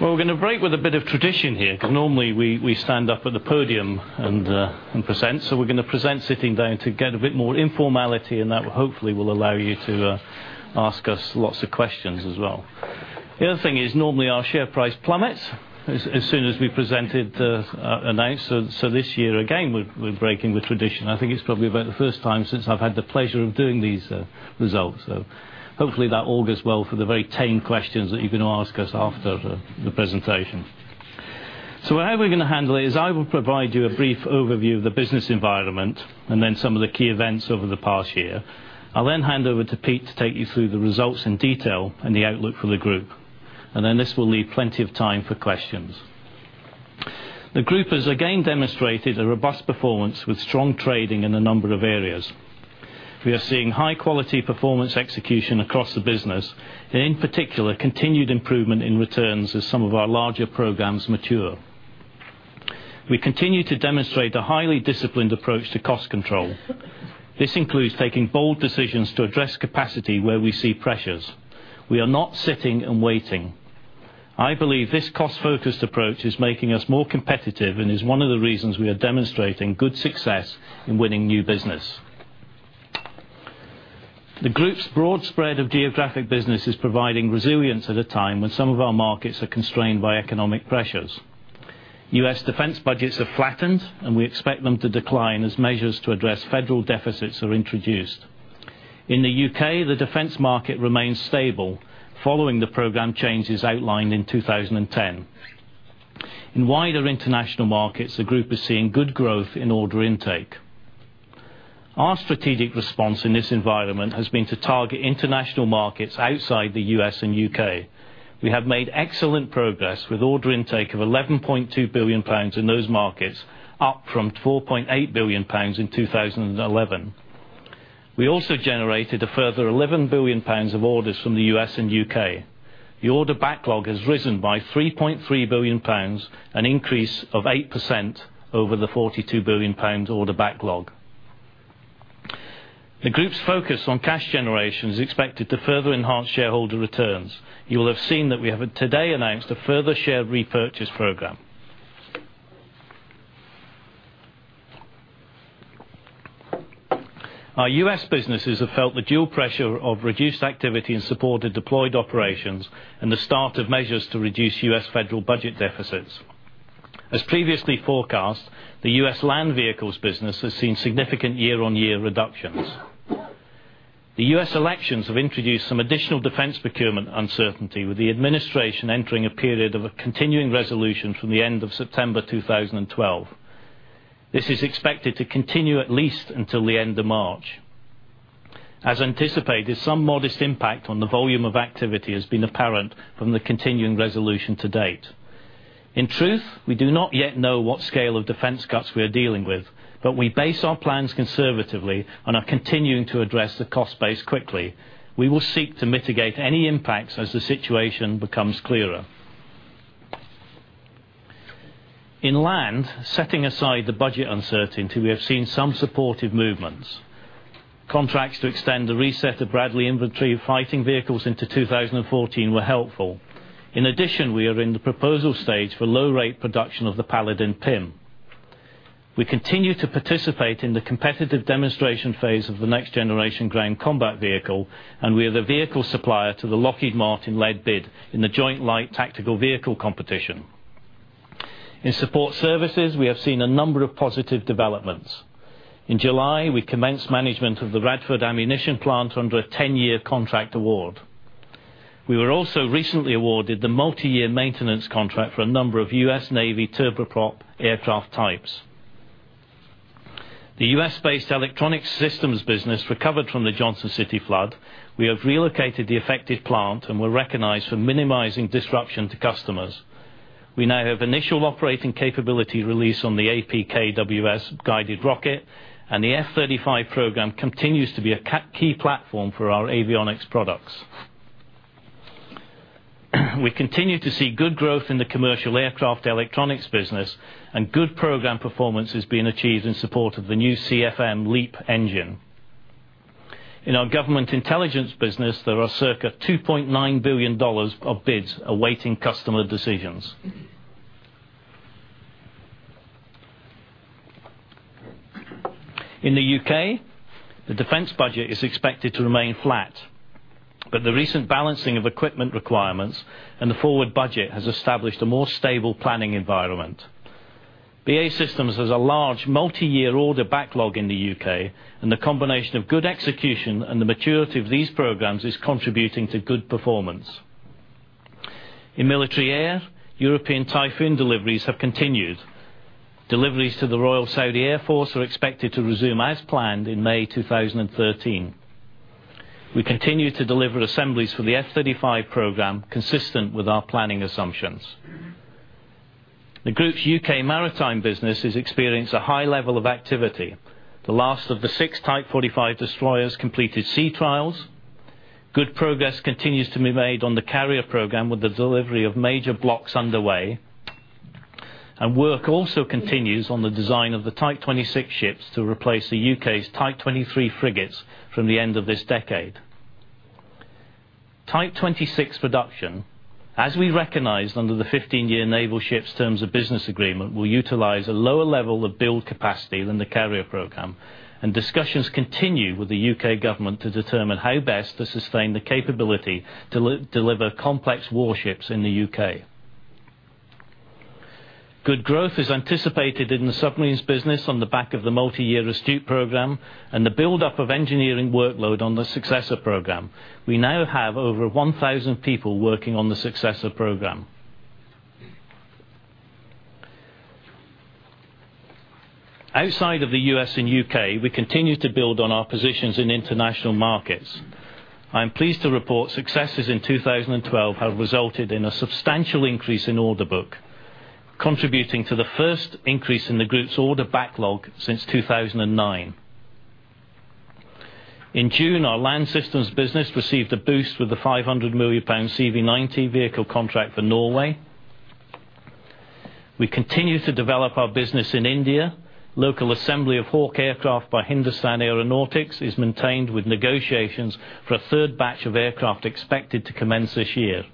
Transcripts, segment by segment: We're going to break with a bit of tradition here, because normally we stand up at the podium and present. We're going to present sitting down to get a bit more informality, and that hopefully will allow you to ask us lots of questions as well. The other thing is normally our share price plummets as soon as we presented announced. This year, again, we're breaking with tradition. I think it's probably about the first time since I've had the pleasure of doing these results. Hopefully that all goes well for the very tame questions that you're going to ask us after the presentation. How we're going to handle it is I will provide you a brief overview of the business environment and then some of the key events over the past year. I'll hand over to Pete to take you through the results in detail and the outlook for the group, and then this will leave plenty of time for questions. The group has again demonstrated a robust performance with strong trading in a number of areas. We are seeing high quality performance execution across the business, and in particular, continued improvement in returns as some of our larger programs mature. We continue to demonstrate a highly disciplined approach to cost control. This includes taking bold decisions to address capacity where we see pressures. We are not sitting and waiting. I believe this cost-focused approach is making us more competitive and is one of the reasons we are demonstrating good success in winning new business. The group's broad spread of geographic business is providing resilience at a time when some of our markets are constrained by economic pressures. U.S. defense budgets have flattened, and we expect them to decline as measures to address federal deficits are introduced. In the U.K., the defense market remains stable, following the program changes outlined in 2010. In wider international markets, the group is seeing good growth in order intake. Our strategic response in this environment has been to target international markets outside the U.S. and U.K. We have made excellent progress with order intake of 11.2 billion pounds in those markets, up from 4.8 billion pounds in 2011. We also generated a further 11 billion pounds of orders from the U.S. and U.K. The order backlog has risen by 3.3 billion pounds, an increase of 8% over the 42 billion pounds order backlog. The group's focus on cash generation is expected to further enhance shareholder returns. You will have seen that we have today announced a further share repurchase program. Our U.S. businesses have felt the dual pressure of reduced activity and support of deployed operations and the start of measures to reduce U.S. federal budget deficits. As previously forecast, the U.S. land vehicles business has seen significant year-on-year reductions. The U.S. elections have introduced some additional defense procurement uncertainty, with the administration entering a period of a Continuing Resolution from the end of September 2012. This is expected to continue at least until the end of March. As anticipated, some modest impact on the volume of activity has been apparent from the Continuing Resolution to date. In truth, we do not yet know what scale of defense cuts we are dealing with. We base our plans conservatively and are continuing to address the cost base quickly. We will seek to mitigate any impacts as the situation becomes clearer. In land, setting aside the budget uncertainty, we have seen some supportive movements. Contracts to extend the reset of Bradley infantry fighting vehicles into 2014 were helpful. In addition, we are in the proposal stage for low-rate production of the Paladin PIM. We continue to participate in the competitive demonstration phase of the Ground Combat Vehicle, the vehicle supplier to the Lockheed Martin-led bid in the Joint Light Tactical Vehicle competition. In support services, we have seen a number of positive developments. In July, we commenced management of the Radford Ammunition Plant under a 10-year contract award. We were also recently awarded the multi-year maintenance contract for a number of U.S. Navy turboprop aircraft types. The U.S.-based electronic systems business recovered from the Johnson City flood. We have relocated the affected plant and were recognized for minimizing disruption to customers. We now have initial operating capability release on the APKWS guided rocket. The F-35 program continues to be a key platform for our avionics products. We continue to see good growth in the commercial aircraft electronics business. Good program performance is being achieved in support of the new CFM LEAP engine. In our government intelligence business, there are circa $2.9 billion of bids awaiting customer decisions. In the U.K., the defense budget is expected to remain flat. The recent balancing of equipment requirements and the forward budget has established a more stable planning environment. BAE Systems has a large multi-year order backlog in the U.K. The combination of good execution and the maturity of these programs is contributing to good performance. In military air, European Typhoon deliveries have continued. Deliveries to the Royal Saudi Air Force are expected to resume as planned in May 2013. We continue to deliver assemblies for the F-35 program consistent with our planning assumptions. The group's U.K. maritime business has experienced a high level of activity. The last of the six Type 45 destroyers completed sea trials. Good progress continues to be made on the carrier program with the delivery of major blocks underway. Work also continues on the design of the Type 26 ships to replace the U.K.'s Type 23 frigates from the end of this decade. Type 26 production, as we recognized under the 15-year Naval Ships Terms of Business agreement, will utilize a lower level of build capacity than the carrier program. Discussions continue with the U.K. government to determine how best to sustain the capability to deliver complex warships in the U.K. Good growth is anticipated in the submarines business on the back of the multiyear Astute program. The buildup of engineering workload on the Successor program. We now have over 1,000 people working on the Successor program. Outside of the U.S. and U.K., we continue to build on our positions in international markets. I'm pleased to report successes in 2012 have resulted in a substantial increase in order book, contributing to the first increase in the group's order backlog since 2009. In June, our land systems business received a boost with the 500 million pound CV90 vehicle contract for Norway. We continue to develop our business in India. Local assembly of Hawk aircraft by Hindustan Aeronautics is maintained with negotiations for a third batch of aircraft expected to commence this year.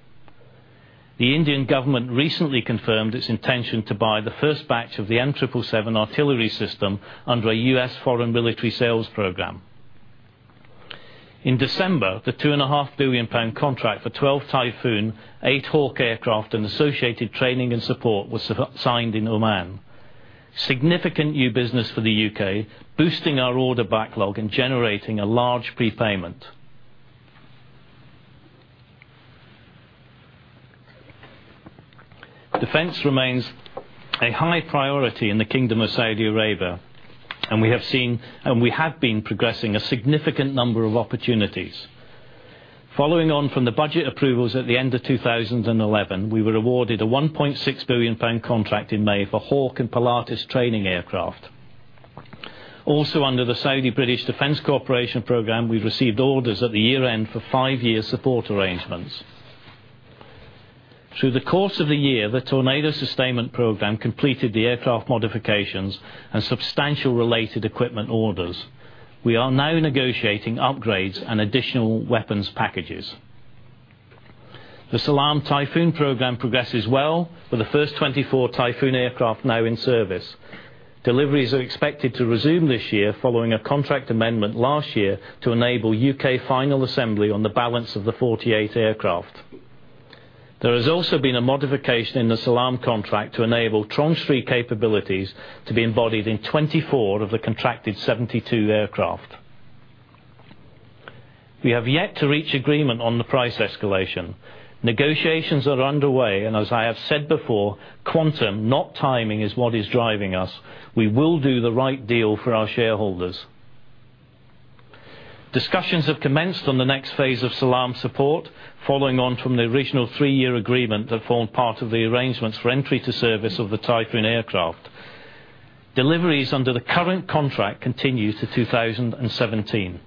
The Indian government recently confirmed its intention to buy the first batch of the M777 artillery system under a U.S. Foreign Military Sales program. In December, the 2.5 billion pound contract for 12 Typhoon, eight Hawk aircraft, and associated training and support was signed in Oman. Significant new business for the U.K., boosting our order backlog and generating a large prepayment. Defense remains a high priority in the Kingdom of Saudi Arabia. We have been progressing a significant number of opportunities. Following on from the budget approvals at the end of 2011, we were awarded a 1.6 billion pound contract in May for Hawk and Pilatus training aircraft. Under the Saudi British Defence Cooperation Programme, we've received orders at the year-end for five-year support arrangements. Through the course of the year, the Tornado sustainment program completed the aircraft modifications and substantial related equipment orders. We are now negotiating upgrades and additional weapons packages. The Salam Typhoon program progresses well, with the first 24 Typhoon aircraft now in service. Deliveries are expected to resume this year, following a contract amendment last year to enable U.K. final assembly on the balance of the 48 aircraft. There has also been a modification in the Salam contract to enable Tranche 3 capabilities to be embodied in 24 of the contracted 72 aircraft. We have yet to reach agreement on the price escalation. Negotiations are underway. As I have said before, quantum, not timing, is what is driving us. We will do the right deal for our shareholders. Discussions have commenced on the next phase of Salam support, following on from the original three-year agreement that formed part of the arrangements for entry to service of the Typhoon aircraft. Deliveries under the current contract continue to 2017.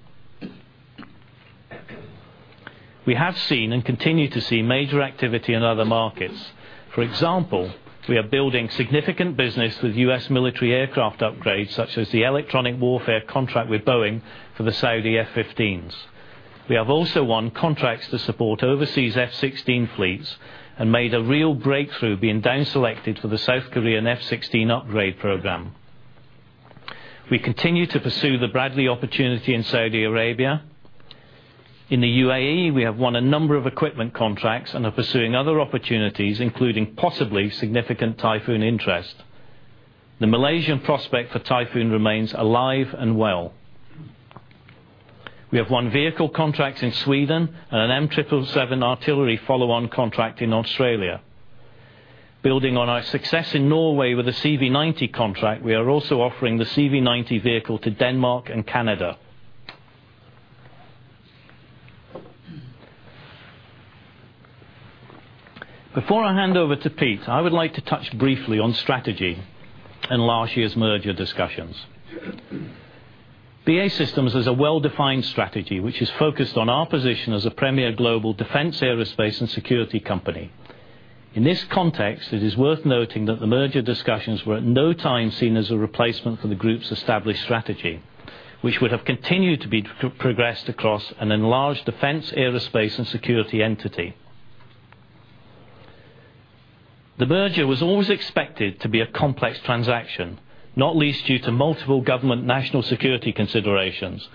We have seen and continue to see major activity in other markets. For example, we are building significant business with U.S. military aircraft upgrades, such as the electronic warfare contract with Boeing for the Saudi F-15s. We have also won contracts to support overseas F-16 fleets and made a real breakthrough, being down selected for the South Korean F-16 upgrade program. We continue to pursue the Bradley opportunity in Saudi Arabia. In the UAE, we have won a number of equipment contracts and are pursuing other opportunities, including possibly significant Typhoon interest. The Malaysian prospect for Typhoon remains alive and well. We have won vehicle contracts in Sweden and an M777 artillery follow-on contract in Australia. Building on our success in Norway with the CV90 contract, we are also offering the CV90 vehicle to Denmark and Canada. Before I hand over to Pete, I would like to touch briefly on strategy and last year's merger discussions. BAE Systems has a well-defined strategy which is focused on our position as a premier global defense, aerospace, and security company. In this context, it is worth noting that the merger discussions were at no time seen as a replacement for the group's established strategy, which would have continued to be progressed across an enlarged defense, aerospace, and security entity. The merger was always expected to be a complex transaction, not least due to multiple government national security considerations.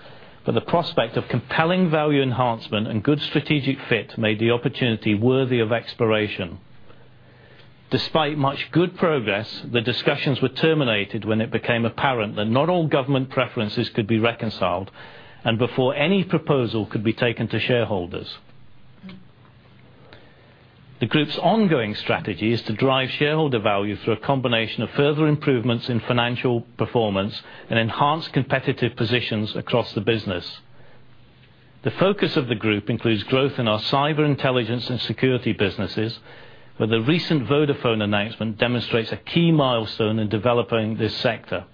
The prospect of compelling value enhancement and good strategic fit made the opportunity worthy of exploration. Despite much good progress, the discussions were terminated when it became apparent that not all government preferences could be reconciled and before any proposal could be taken to shareholders. The group's ongoing strategy is to drive shareholder value through a combination of further improvements in financial performance and enhanced competitive positions across the business. The focus of the group includes growth in our cyber intelligence and security businesses, where the recent Vodafone announcement demonstrates a key milestone in developing this sector.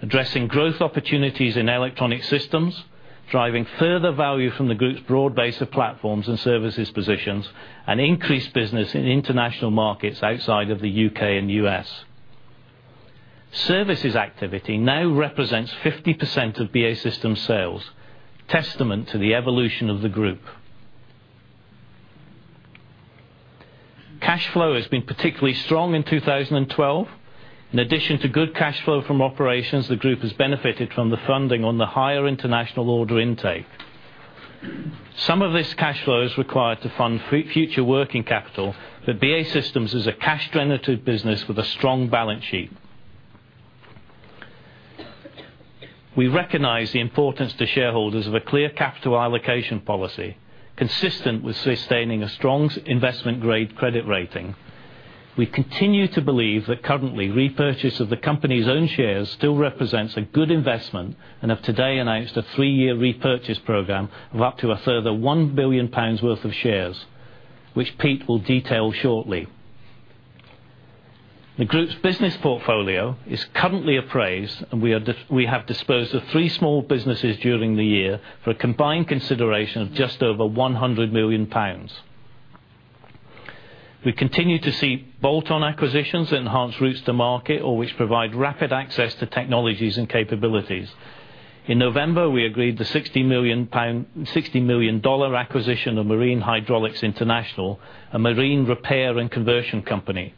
Addressing growth opportunities in electronic systems, driving further value from the group's broad base of platforms and services positions, and increased business in international markets outside of the U.K. and U.S. Services activity now represents 50% of BAE Systems sales, testament to the evolution of the group. Cash flow has been particularly strong in 2012. In addition to good cash flow from operations, the group has benefited from the funding on the higher international order intake. Some of this cash flow is required to fund future working capital. BAE Systems is a cash-generative business with a strong balance sheet. We recognize the importance to shareholders of a clear capital allocation policy, consistent with sustaining a strong investment-grade credit rating. We continue to believe that currently, repurchase of the company's own shares still represents a good investment and have today announced a three-year repurchase program of up to a further 1 billion pounds worth of shares, which Pete will detail shortly. The group's business portfolio is currently appraised, and we have disposed of three small businesses during the year for a combined consideration of just over 100 million pounds. We continue to see bolt-on acquisitions enhance routes to market or which provide rapid access to technologies and capabilities. In November, we agreed the $60 million acquisition of Marine Hydraulics International, a marine repair and conversion company.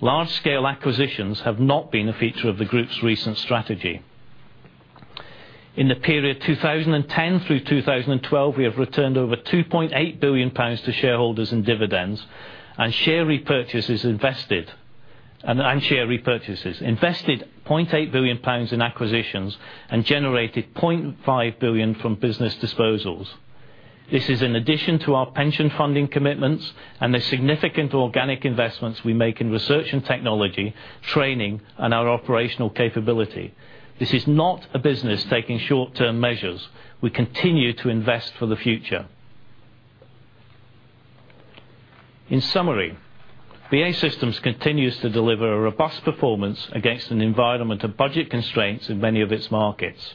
Large-scale acquisitions have not been a feature of the group's recent strategy. In the period 2010 through 2012, we have returned over 2.8 billion pounds to shareholders in dividends and share repurchases, invested 0.8 billion pounds in acquisitions, and generated 0.5 billion from business disposals. This is in addition to our pension funding commitments and the significant organic investments we make in research and technology, training, and our operational capability. This is not a business taking short-term measures. We continue to invest for the future. In summary, BAE Systems continues to deliver a robust performance against an environment of budget constraints in many of its markets.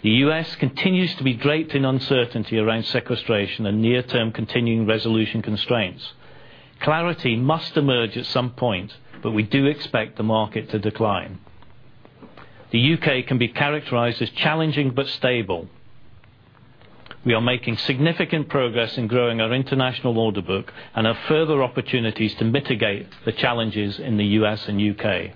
The U.S. continues to be draped in uncertainty around sequestration and near-term Continuing Resolution constraints. Clarity must emerge at some point. We do expect the market to decline. The U.K. can be characterized as challenging but stable. We are making significant progress in growing our international order book and have further opportunities to mitigate the challenges in the U.S. and U.K.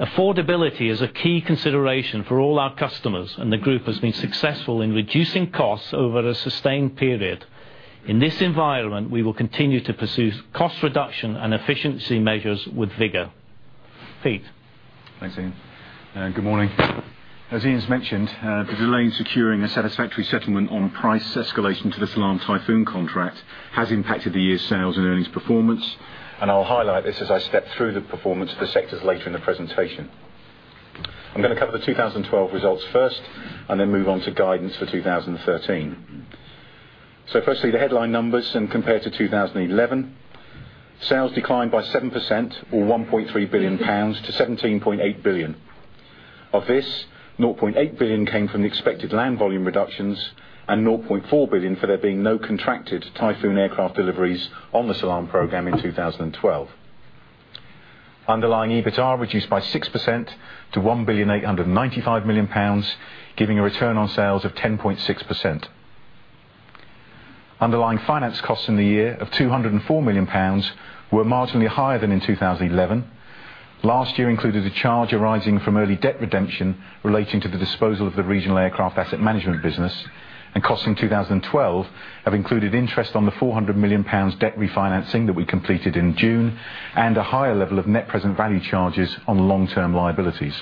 Affordability is a key consideration for all our customers, and the group has been successful in reducing costs over a sustained period. In this environment, we will continue to pursue cost reduction and efficiency measures with vigor. Pete. Thanks, Ian. Good morning. As Ian's mentioned, the delay in securing a satisfactory settlement on price escalation to the Salam Typhoon contract has impacted the year's sales and earnings performance, and I'll highlight this as I step through the performance of the sectors later in the presentation. I'm going to cover the 2012 results first, and then move on to guidance for 2013. Firstly, the headline numbers when compared to 2011. Sales declined by 7%, or 1.3 billion pounds to 17.8 billion. Of this, 0.8 billion came from the expected land volume reductions and 0.4 billion for there being no contracted Typhoon aircraft deliveries on the Salam program in 2012. Underlying EBITA reduced by 6% to 1.895 billion, giving a return on sales of 10.6%. Underlying finance costs in the year of 204 million pounds were marginally higher than in 2011. Last year included a charge arising from early debt redemption relating to the disposal of the regional aircraft asset management business, and costs in 2012 have included interest on the 400 million pounds debt refinancing that we completed in June and a higher level of net present value charges on long-term liabilities.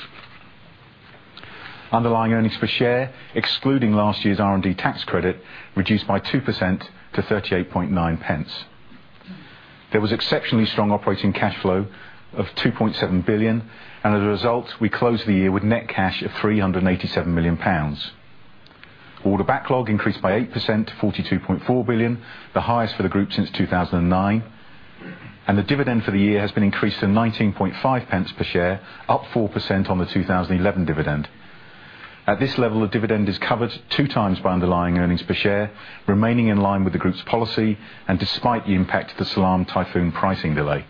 Underlying earnings per share, excluding last year's R&D tax credit, reduced by 2% to 0.389. There was exceptionally strong operating cash flow of 2.7 billion, and as a result, we closed the year with net cash of 387 million pounds. Order backlog increased by 8% to 42.4 billion, the highest for the group since 2009, and the dividend for the year has been increased to 0.195 per share, up 4% on the 2011 dividend. At this level, the dividend is covered two times by underlying earnings per share, remaining in line with the group's policy and despite the impact of the Salam Typhoon pricing delay.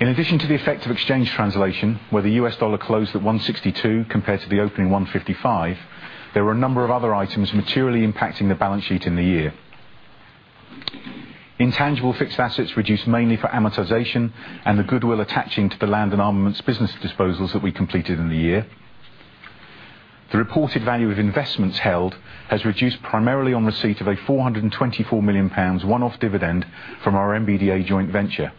In addition to the effect of exchange translation, where the US dollar closed at 162 compared to the opening 155, there were a number of other items materially impacting the balance sheet in the year. Intangible fixed assets reduced mainly for amortization and the goodwill attaching to the Land & Armaments business disposals that we completed in the year. The reported value of investments held has reduced primarily on receipt of a 424 million pounds one-off dividend from our MBDA joint venture.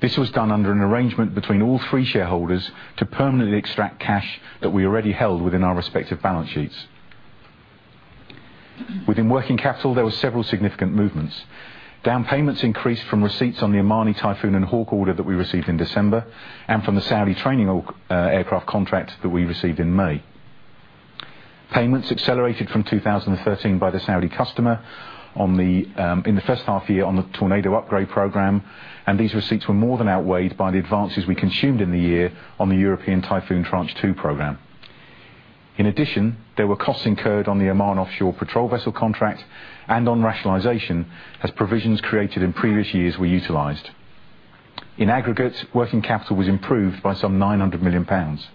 This was done under an arrangement between all three shareholders to permanently extract cash that we already held within our respective balance sheets. Within working capital, there were several significant movements. Down payments increased from receipts on the Omani Typhoon and Hawk order that we received in December and from the Saudi training aircraft contract that we received in May. Payments accelerated from 2013 by the Saudi customer in the first half year on the Tornado upgrade program, and these receipts were more than outweighed by the advances we consumed in the year on the European Typhoon Tranche 2 program. In addition, there were costs incurred on the Oman Offshore Patrol Vessel contract and on rationalization, as provisions created in previous years were utilized. In aggregate, working capital was improved by some 900 million pounds.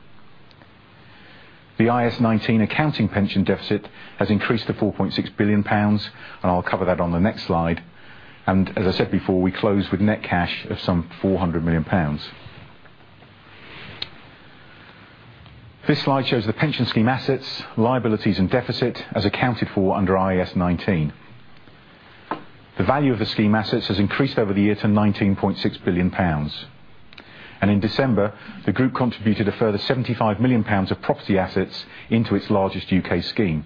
The IAS 19 accounting pension deficit has increased to 4.6 billion pounds, and I'll cover that on the next slide. As I said before, we closed with net cash of some 400 million pounds. This slide shows the pension scheme assets, liabilities, and deficit as accounted for under IAS 19. The value of the scheme assets has increased over the year to 19.6 billion pounds. In December, the group contributed a further 75 million pounds of property assets into its largest U.K. scheme.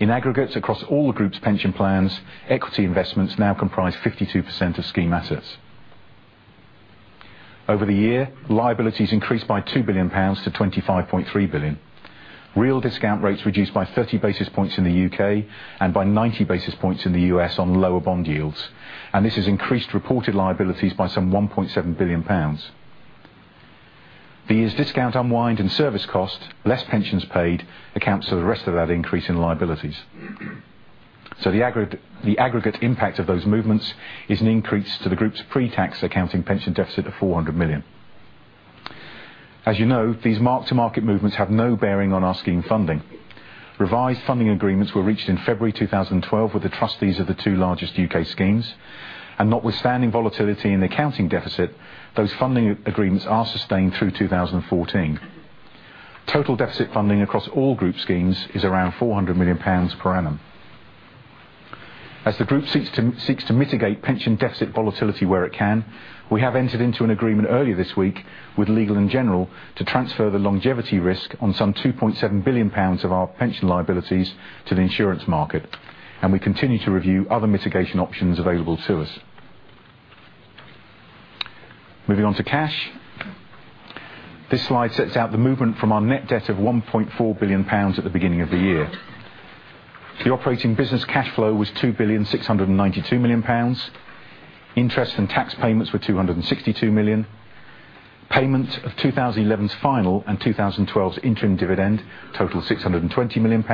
In aggregate, across all the group's pension plans, equity investments now comprise 52% of scheme assets. Over the year, liabilities increased by 2 billion pounds to 25.3 billion. Real discount rates reduced by 30 basis points in the U.K. and by 90 basis points in the U.S. on lower bond yields, and this has increased reported liabilities by some 1.7 billion pounds. The year's discount unwind and service cost, less pensions paid, accounts for the rest of that increase in liabilities. The aggregate impact of those movements is an increase to the group's pre-tax accounting pension deficit of 400 million. As you know, these mark-to-market movements have no bearing on our scheme funding. Revised funding agreements were reached in February 2012 with the trustees of the two largest U.K. schemes. Notwithstanding volatility in the accounting deficit, those funding agreements are sustained through 2014. Total deficit funding across all group schemes is around 400 million pounds per annum. As the group seeks to mitigate pension deficit volatility where it can, we have entered into an agreement earlier this week with Legal & General to transfer the longevity risk on some 2.7 billion pounds of our pension liabilities to the insurance market. We continue to review other mitigation options available to us. Moving on to cash. This slide sets out the movement from our net debt of 1.4 billion pounds at the beginning of the year. The operating business cash flow was 2,692 million pounds. Interest and tax payments were 262 million. Payment of 2011's final and 2012's interim dividend totaled GBP 620 million.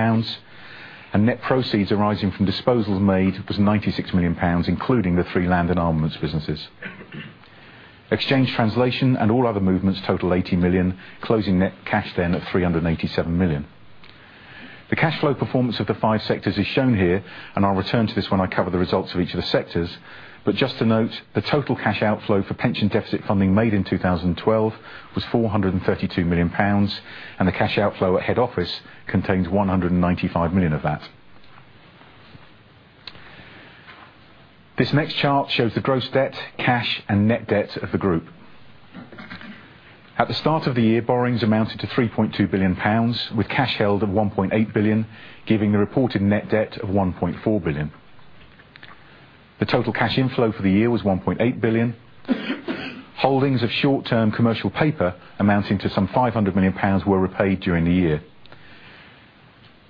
Net proceeds arising from disposals made was GBP 96 million, including the three Land & Armaments businesses. Exchange translation and all other movements total 80 million, closing net cash then at 387 million. The cash flow performance of the five sectors is shown here, and I'll return to this when I cover the results of each of the sectors. Just to note, the total cash outflow for pension deficit funding made in 2012 was 432 million pounds, and the cash outflow at head office contains 195 million of that. This next chart shows the gross debt, cash, and net debt of the group. At the start of the year, borrowings amounted to 3.2 billion pounds, with cash held of 1.8 billion, giving a reported net debt of 1.4 billion. The total cash inflow for the year was 1.8 billion. Holdings of short-term commercial paper amounting to some 500 million pounds were repaid during the year.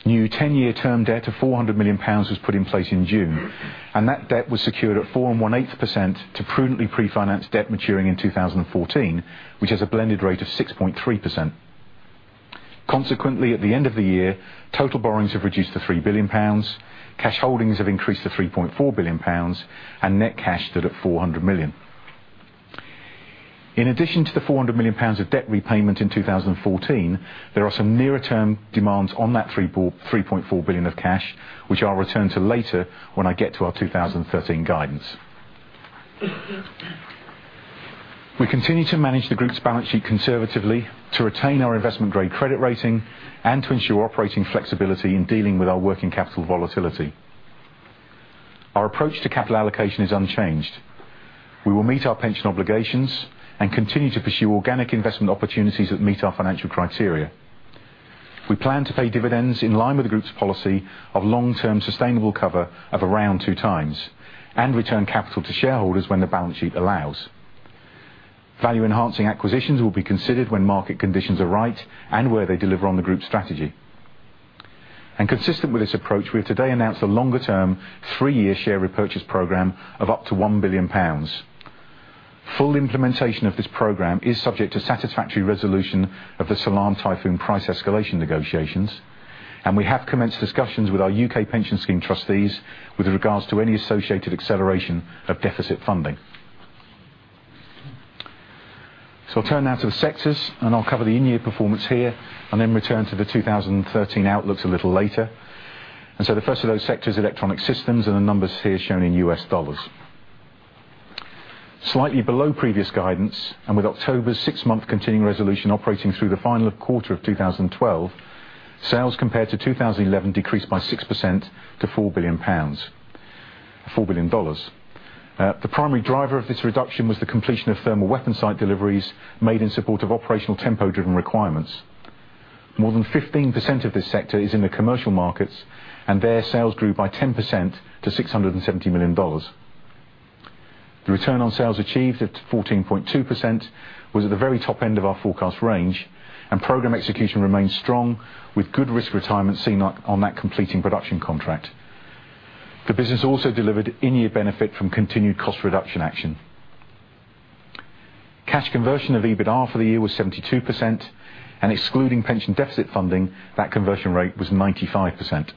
New 10-year term debt of 400 million pounds was put in place in June, and that debt was secured at 4.18% to prudently pre-finance debt maturing in 2014, which has a blended rate of 6.3%. Consequently, at the end of the year, total borrowings have reduced to 3 billion pounds, cash holdings have increased to 3.4 billion pounds, and net cash stood at 400 million. In addition to the 400 million pounds of debt repayment in 2014, there are some nearer-term demands on that 3.4 billion of cash, which I'll return to later when I get to our 2013 guidance. We continue to manage the group's balance sheet conservatively to retain our investment-grade credit rating and to ensure operating flexibility in dealing with our working capital volatility. Our approach to capital allocation is unchanged. We will meet our pension obligations and continue to pursue organic investment opportunities that meet our financial criteria. We plan to pay dividends in line with the group's policy of long-term sustainable cover of around two times, and return capital to shareholders when the balance sheet allows. Value-enhancing acquisitions will be considered when market conditions are right, and where they deliver on the group's strategy. Consistent with this approach, we have today announced a longer-term, three-year share repurchase program of up to 1 billion pounds. Full implementation of this program is subject to satisfactory resolution of the Salam Typhoon price escalation negotiations, and we have commenced discussions with our U.K. pension scheme trustees with regards to any associated acceleration of deficit funding. I turn now to the sectors, and I'll cover the in-year performance here, and then return to the 2013 outlooks a little later. The first of those sectors, electronic systems, and the numbers here shown in US dollars. Slightly below previous guidance, with October's six-month Continuing Resolution operating through the final quarter of 2012, sales compared to 2011 decreased by 6% to $4 billion. The primary driver of this reduction was the completion of thermal weapon sight deliveries made in support of operational tempo-driven requirements. More than 15% of this sector is in the commercial markets, and there, sales grew by 10% to $670 million. The return on sales achieved at 14.2% was at the very top end of our forecast range, and program execution remains strong with good risk retirement seen on that completing production contract. The business also delivered in-year benefit from continued cost reduction action. Cash conversion of EBITA for the year was 72%, and excluding pension deficit funding, that conversion rate was 95%.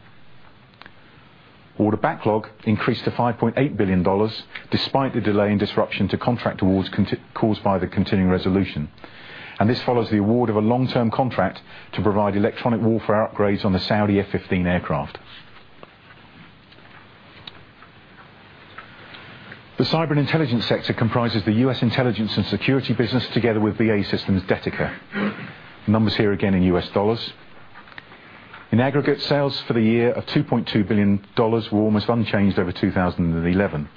Order backlog increased to $5.8 billion, despite the delay in disruption to contract awards caused by the Continuing Resolution. This follows the award of a long-term contract to provide electronic warfare upgrades on the Saudi F-15 aircraft. The cyber and intelligence sector comprises the U.S. intelligence and security business, together with BAE Systems Detica. The numbers here again in US dollars. In aggregate, sales for the year of $2.2 billion were almost unchanged over 2011.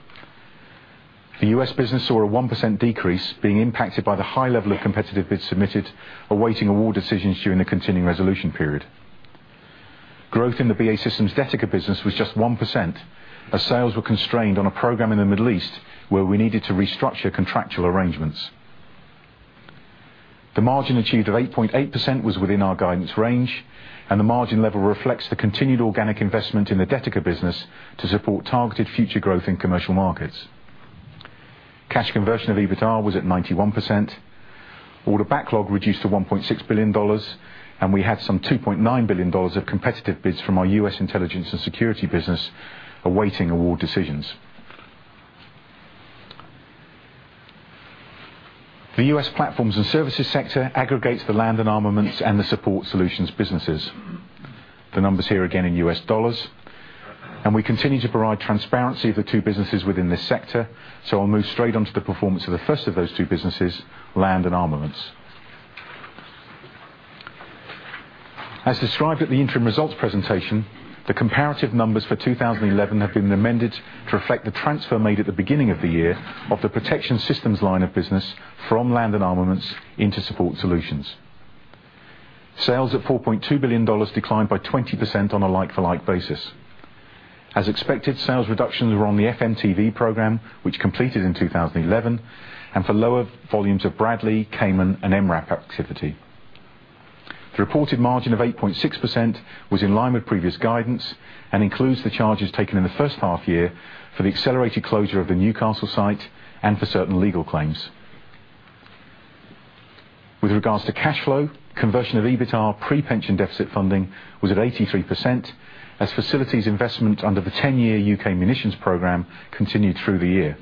The U.S. business saw a 1% decrease, being impacted by the high level of competitive bids submitted, awaiting award decisions during the Continuing Resolution period. Growth in the BAE Systems Detica business was just 1%, as sales were constrained on a program in the Middle East, where we needed to restructure contractual arrangements. The margin achieved of 8.8% was within our guidance range, and the margin level reflects the continued organic investment in the Detica business to support targeted future growth in commercial markets. Cash conversion of EBITA was at 91%. Order backlog reduced to $1.6 billion, and we had some $2.9 billion of competitive bids from our U.S. intelligence and security business awaiting award decisions. The U.S. platforms and services sector aggregates the Land & Armaments and the support solutions businesses. The numbers here again in US dollars. We continue to provide transparency of the two businesses within this sector, so I'll move straight on to the performance of the first of those two businesses, Land & Armaments. As described at the interim results presentation, the comparative numbers for 2011 have been amended to reflect the transfer made at the beginning of the year of the protection systems line of business from Land & Armaments into Support Solutions. Sales at $4.2 billion declined by 20% on a like-for-like basis. As expected, sales reductions were on the FMTV program, which completed in 2011, and for lower volumes of Bradley, Caiman, and MRAP activity. The reported margin of 8.6% was in line with previous guidance and includes the charges taken in the first half-year for the accelerated closure of the Newcastle site and for certain legal claims. With regards to cash flow, conversion of EBITA pre-pension deficit funding was at 83%, as facilities investment under the 10-year U.K. Munitions program continued through the year.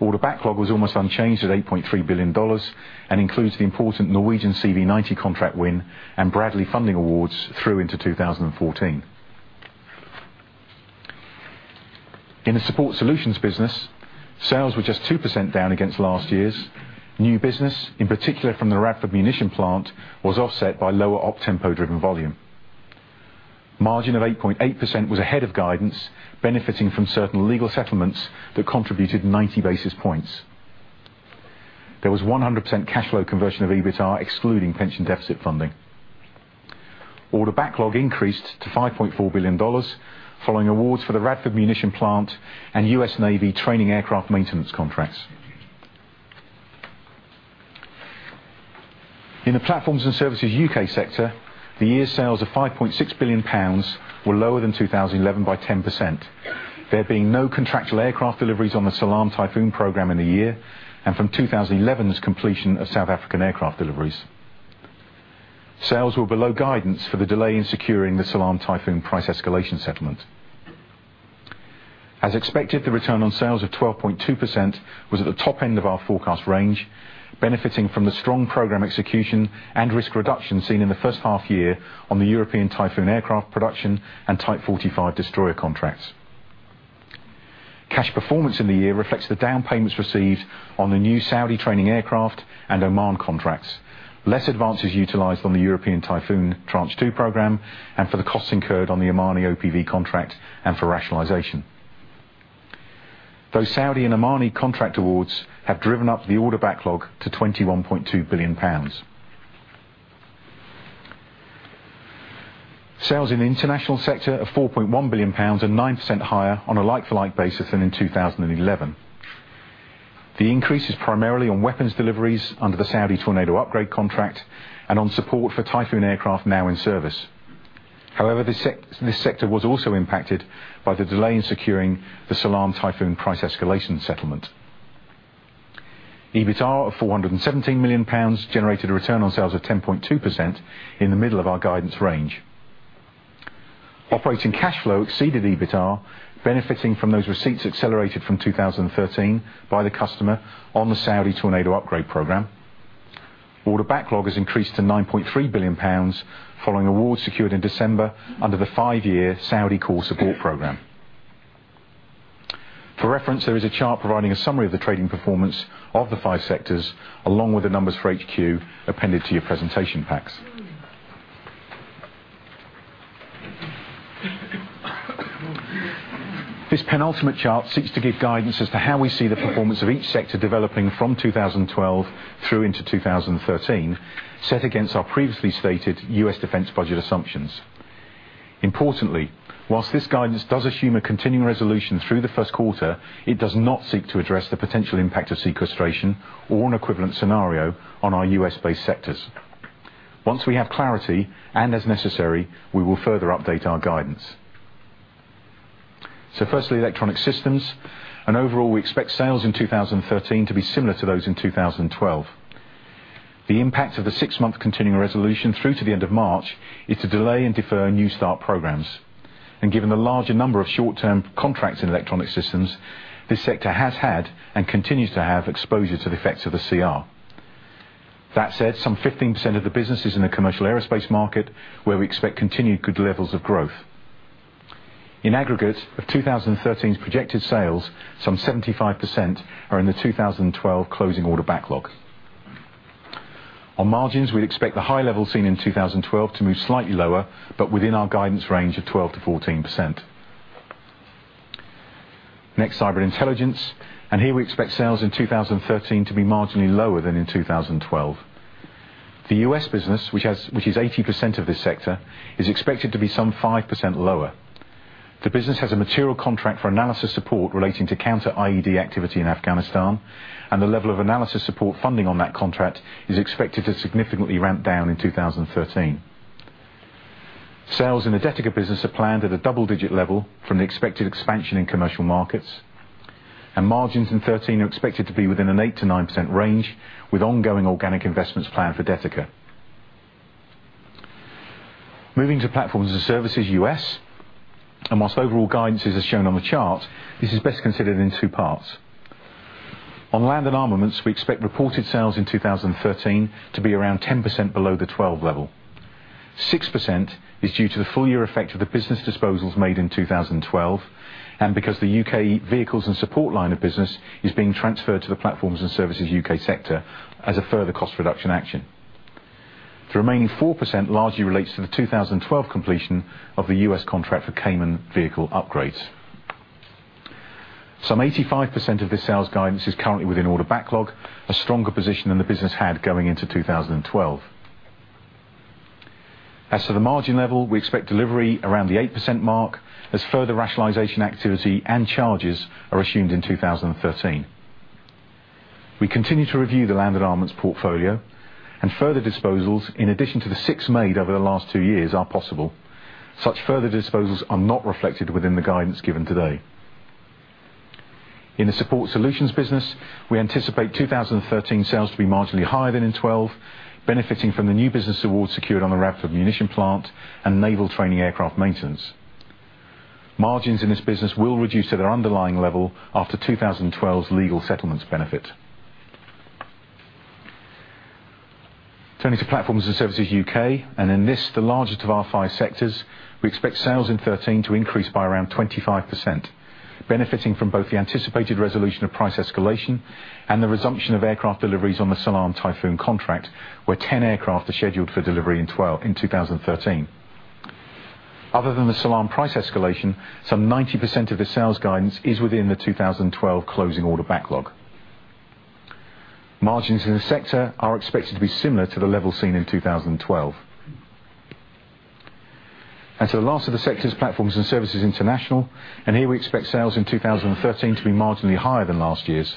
Order backlog was almost unchanged at $8.3 billion and includes the important Norwegian CV90 contract win and Bradley funding awards through into 2014. In the Support Solutions business, sales were just 2% down against last year's. New business, in particular from the Radford Ammunition Plant, was offset by lower op-tempo-driven volume. Margin of 8.8% was ahead of guidance, benefiting from certain legal settlements that contributed 90 basis points. There was 100% cash flow conversion of EBITA, excluding pension deficit funding. Order backlog increased to $5.4 billion, following awards for the Radford Ammunition Plant and U.S. Navy training aircraft maintenance contracts. In the Platforms and Services U.K. sector, the year's sales of 5.6 billion pounds were lower than 2011 by 10%, there being no contractual aircraft deliveries on the Salam Typhoon program in the year and from 2011's completion of South African aircraft deliveries. Sales were below guidance for the delay in securing the Salam Typhoon price escalation settlement. As expected, the return on sales of 12.2% was at the top end of our forecast range, benefiting from the strong program execution and risk reduction seen in the first half year on the European Typhoon aircraft production and Type 45 destroyer contracts. Cash performance in the year reflects the down payments received on the new Saudi training aircraft and Oman contracts, less advances utilized on the European Typhoon Tranche 2 program, and for the costs incurred on the Omani OPV contract and for rationalization. Those Saudi and Omani contract awards have driven up the order backlog to 21.2 billion pounds. Sales in the International sector of 4.1 billion pounds are 9% higher on a like-for-like basis than in 2011. The increase is primarily on weapons deliveries under the Saudi Tornado upgrade contract and on support for Typhoon aircraft now in service. However, this sector was also impacted by the delay in securing the Salam Typhoon price escalation settlement. EBITA of 417 million pounds generated a return on sales of 10.2% in the middle of our guidance range. Operating cash flow exceeded EBITA, benefiting from those receipts accelerated from 2013 by the customer on the Saudi Tornado upgrade program. Order backlog has increased to 9.3 billion pounds, following awards secured in December under the five-year Saudi Core Support Program. For reference, there is a chart providing a summary of the trading performance of the five sectors, along with the numbers for HQ appended to your presentation packs. This penultimate chart seeks to give guidance as to how we see the performance of each sector developing from 2012 through into 2013, set against our previously stated U.S. defense budget assumptions. Importantly, whilst this guidance does assume a Continuing Resolution through the first quarter, it does not seek to address the potential impact of sequestration or an equivalent scenario on our U.S.-based sectors. Once we have clarity, as necessary, we will further update our guidance. Firstly, electronic systems. Overall, we expect sales in 2013 to be similar to those in 2012. The impact of the six-month Continuing Resolution through to the end of March is to delay and defer new start programs. Given the larger number of short-term contracts in electronic systems, this sector has had and continues to have exposure to the effects of the CR. That said, some 15% of the business is in the commercial aerospace market, where we expect continued good levels of growth. In aggregate, of 2013's projected sales, some 75% are in the 2012 closing order backlog. On margins, we'd expect the high level seen in 2012 to move slightly lower, but within our guidance range of 12%-14%. Next, cyber intelligence. Here, we expect sales in 2013 to be marginally lower than in 2012. The U.S. business, which is 80% of this sector, is expected to be some 5% lower. The business has a material contract for analysis support relating to Counter-IED activity in Afghanistan, and the level of analysis support funding on that contract is expected to significantly ramp down in 2013. Sales in the Detica business are planned at a double-digit level from the expected expansion in commercial markets, and margins in 2013 are expected to be within an 8%-9% range, with ongoing organic investments planned for Detica. Moving to Platforms and Services U.S., whilst overall guidance is as shown on the chart, this is best considered in two parts. On Land & Armaments, we expect reported sales in 2013 to be around 10% below the 2012 level. 6% is due to the full-year effect of the business disposals made in 2012, because the U.K. vehicles and support line of business is being transferred to the Platforms and Services U.K. sector as a further cost reduction action. The remaining 4% largely relates to the 2012 completion of the U.S. contract for Caiman vehicle upgrades. Some 85% of this sales guidance is currently within order backlog, a stronger position than the business had going into 2012. As to the margin level, we expect delivery around the 8% mark, as further rationalization activity and charges are assumed in 2013. We continue to review the Land & Armaments portfolio, and further disposals, in addition to the six made over the last two years, are possible. Such further disposals are not reflected within the guidance given today. In the support solutions business, we anticipate 2013 sales to be marginally higher than in 2012, benefiting from the new business awards secured on the Radford Ammunition Plant and naval training aircraft maintenance. Margins in this business will reduce to their underlying level after 2012's legal settlements benefit. Turning to Platforms and Services U.K., and in this, the largest of our five sectors, we expect sales in 2013 to increase by around 25%, benefiting from both the anticipated resolution of price escalation and the resumption of aircraft deliveries on the Salam Typhoon contract, where 10 aircraft are scheduled for delivery in 2013. Other than the Salam price escalation, some 90% of the sales guidance is within the 2012 closing order backlog. Margins in the sector are expected to be similar to the level seen in 2012. As to the last of the sectors, Platforms and Services International, and here we expect sales in 2013 to be marginally higher than last year's.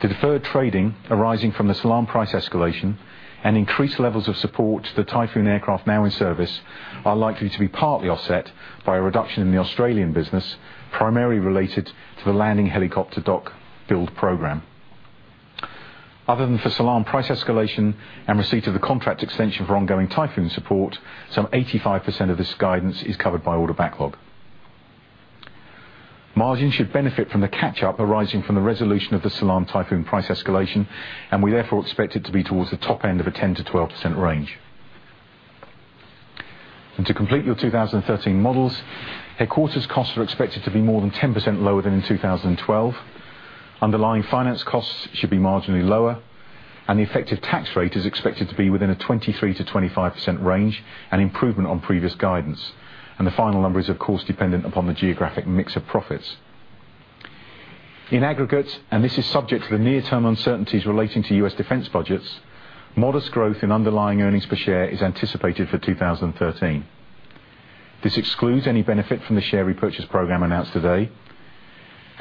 The deferred trading arising from the Salam price escalation and increased levels of support to the Typhoon aircraft now in service are likely to be partly offset by a reduction in the Australian business, primarily related to the Landing Helicopter Dock build program. Other than for Salam price escalation and receipt of the contract extension for ongoing Typhoon support, some 85% of this guidance is covered by order backlog. Margins should benefit from the catch-up arising from the resolution of the Salam Typhoon price escalation, and we therefore expect it to be towards the top end of a 10%-12% range. To complete your 2013 models, headquarters costs are expected to be more than 10% lower than in 2012. Underlying finance costs should be marginally lower, and the effective tax rate is expected to be within a 23%-25% range, an improvement on previous guidance. The final number is, of course, dependent upon the geographic mix of profits. In aggregate, and this is subject to the near-term uncertainties relating to U.S. defense budgets, modest growth in underlying earnings per share is anticipated for 2013. This excludes any benefit from the share repurchase program announced today.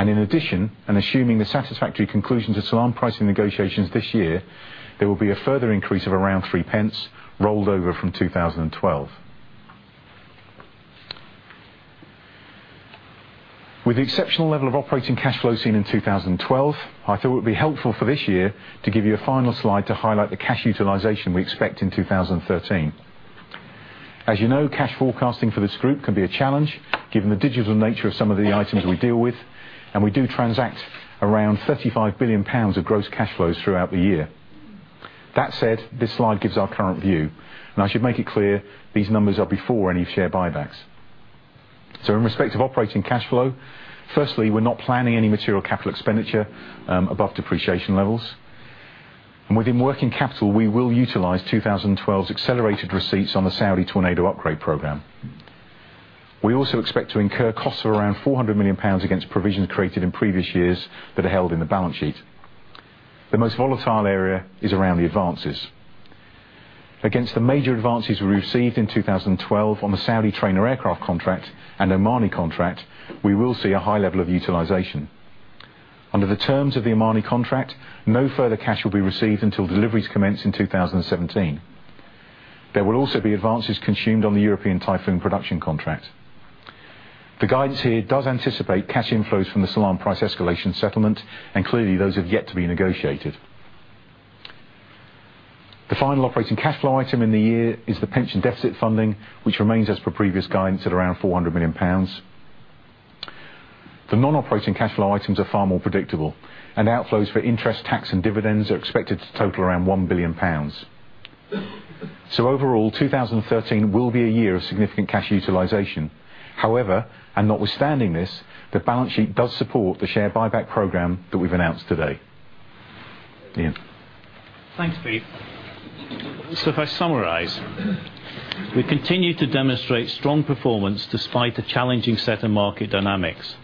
In addition, and assuming the satisfactory conclusion to Salam pricing negotiations this year, there will be a further increase of around 0.03 rolled over from 2012. With the exceptional level of operating cash flow seen in 2012, I thought it would be helpful for this year to give you a final slide to highlight the cash utilization we expect in 2013. As you know, cash forecasting for this group can be a challenge, given the digital nature of some of the items we deal with, and we do transact around 35 billion pounds of gross cash flows throughout the year. That said, this slide gives our current view. I should make it clear, these numbers are before any share buybacks. So in respect of operating cash flow, firstly, we're not planning any material capital expenditure above depreciation levels. Within working capital, we will utilize 2012's accelerated receipts on the Saudi Tornado upgrade program. We also expect to incur costs of around 400 million pounds against provisions created in previous years that are held in the balance sheet. The most volatile area is around the advances. Against the major advances we received in 2012 on the Saudi trainer aircraft contract and Omani contract, we will see a high level of utilization. Under the terms of the Omani contract, no further cash will be received until deliveries commence in 2017. There will also be advances consumed on the European Typhoon production contract. The guidance here does anticipate cash inflows from the Salam price escalation settlement, and clearly, those have yet to be negotiated. The final operating cash flow item in the year is the pension deficit funding, which remains as per previous guidance at around 400 million pounds. The non-operating cash flow items are far more predictable, and outflows for interest, tax, and dividends are expected to total around 1 billion pounds. Overall, 2013 will be a year of significant cash utilization. However, and notwithstanding this, the balance sheet does support the share buyback program that we've announced today. Ian. Thanks, Pete. If I summarize, we continue to demonstrate strong performance despite the challenging set of market dynamics.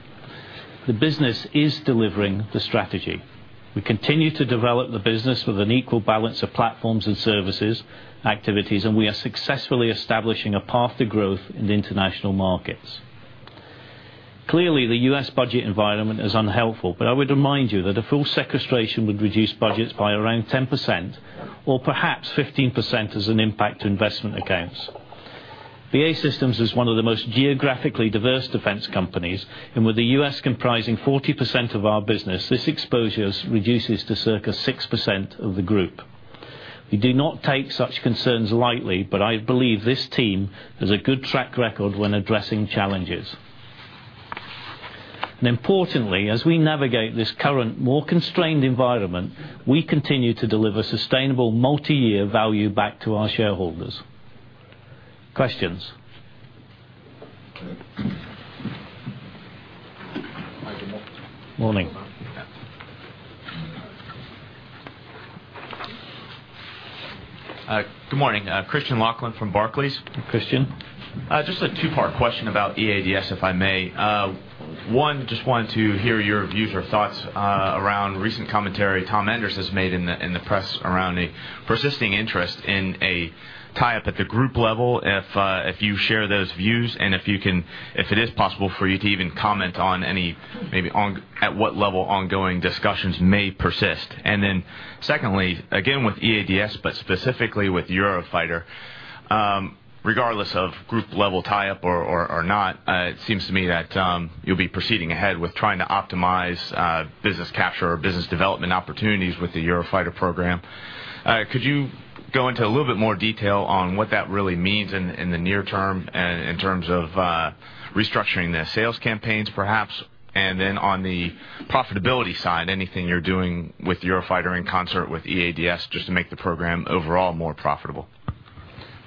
The business is delivering the strategy. We continue to develop the business with an equal balance of platforms and services activities, and we are successfully establishing a path to growth in the international markets. Clearly, the U.S. budget environment is unhelpful, but I would remind you that a full sequestration would reduce budgets by around 10%, or perhaps 15% as an impact to investment accounts. BAE Systems is one of the most geographically diverse defense companies, and with the U.S. comprising 40% of our business, this exposure reduces to circa 6% of the group. We do not take such concerns lightly, but I believe this team has a good track record when addressing challenges. Importantly, as we navigate this current, more constrained environment, we continue to deliver sustainable multi-year value back to our shareholders. Questions? Good morning. Morning. Good morning. Christian Laughlin from Barclays. Christian. Just a two-part question about EADS, if I may. One, just wanted to hear your views or thoughts around recent commentary Tom Enders has made in the press around a persisting interest in a tie-up at the group level, if you share those views, and if it is possible for you to even comment on any, maybe at what level ongoing discussions may persist. Secondly, again with EADS, but specifically with Eurofighter, regardless of group-level tie-up or not, it seems to me that you'll be proceeding ahead with trying to optimize business capture or business development opportunities with the Eurofighter program. Could you go into a little bit more detail on what that really means in the near term, in terms of restructuring the sales campaigns perhaps, on the profitability side, anything you're doing with Eurofighter in concert with EADS just to make the program overall more profitable?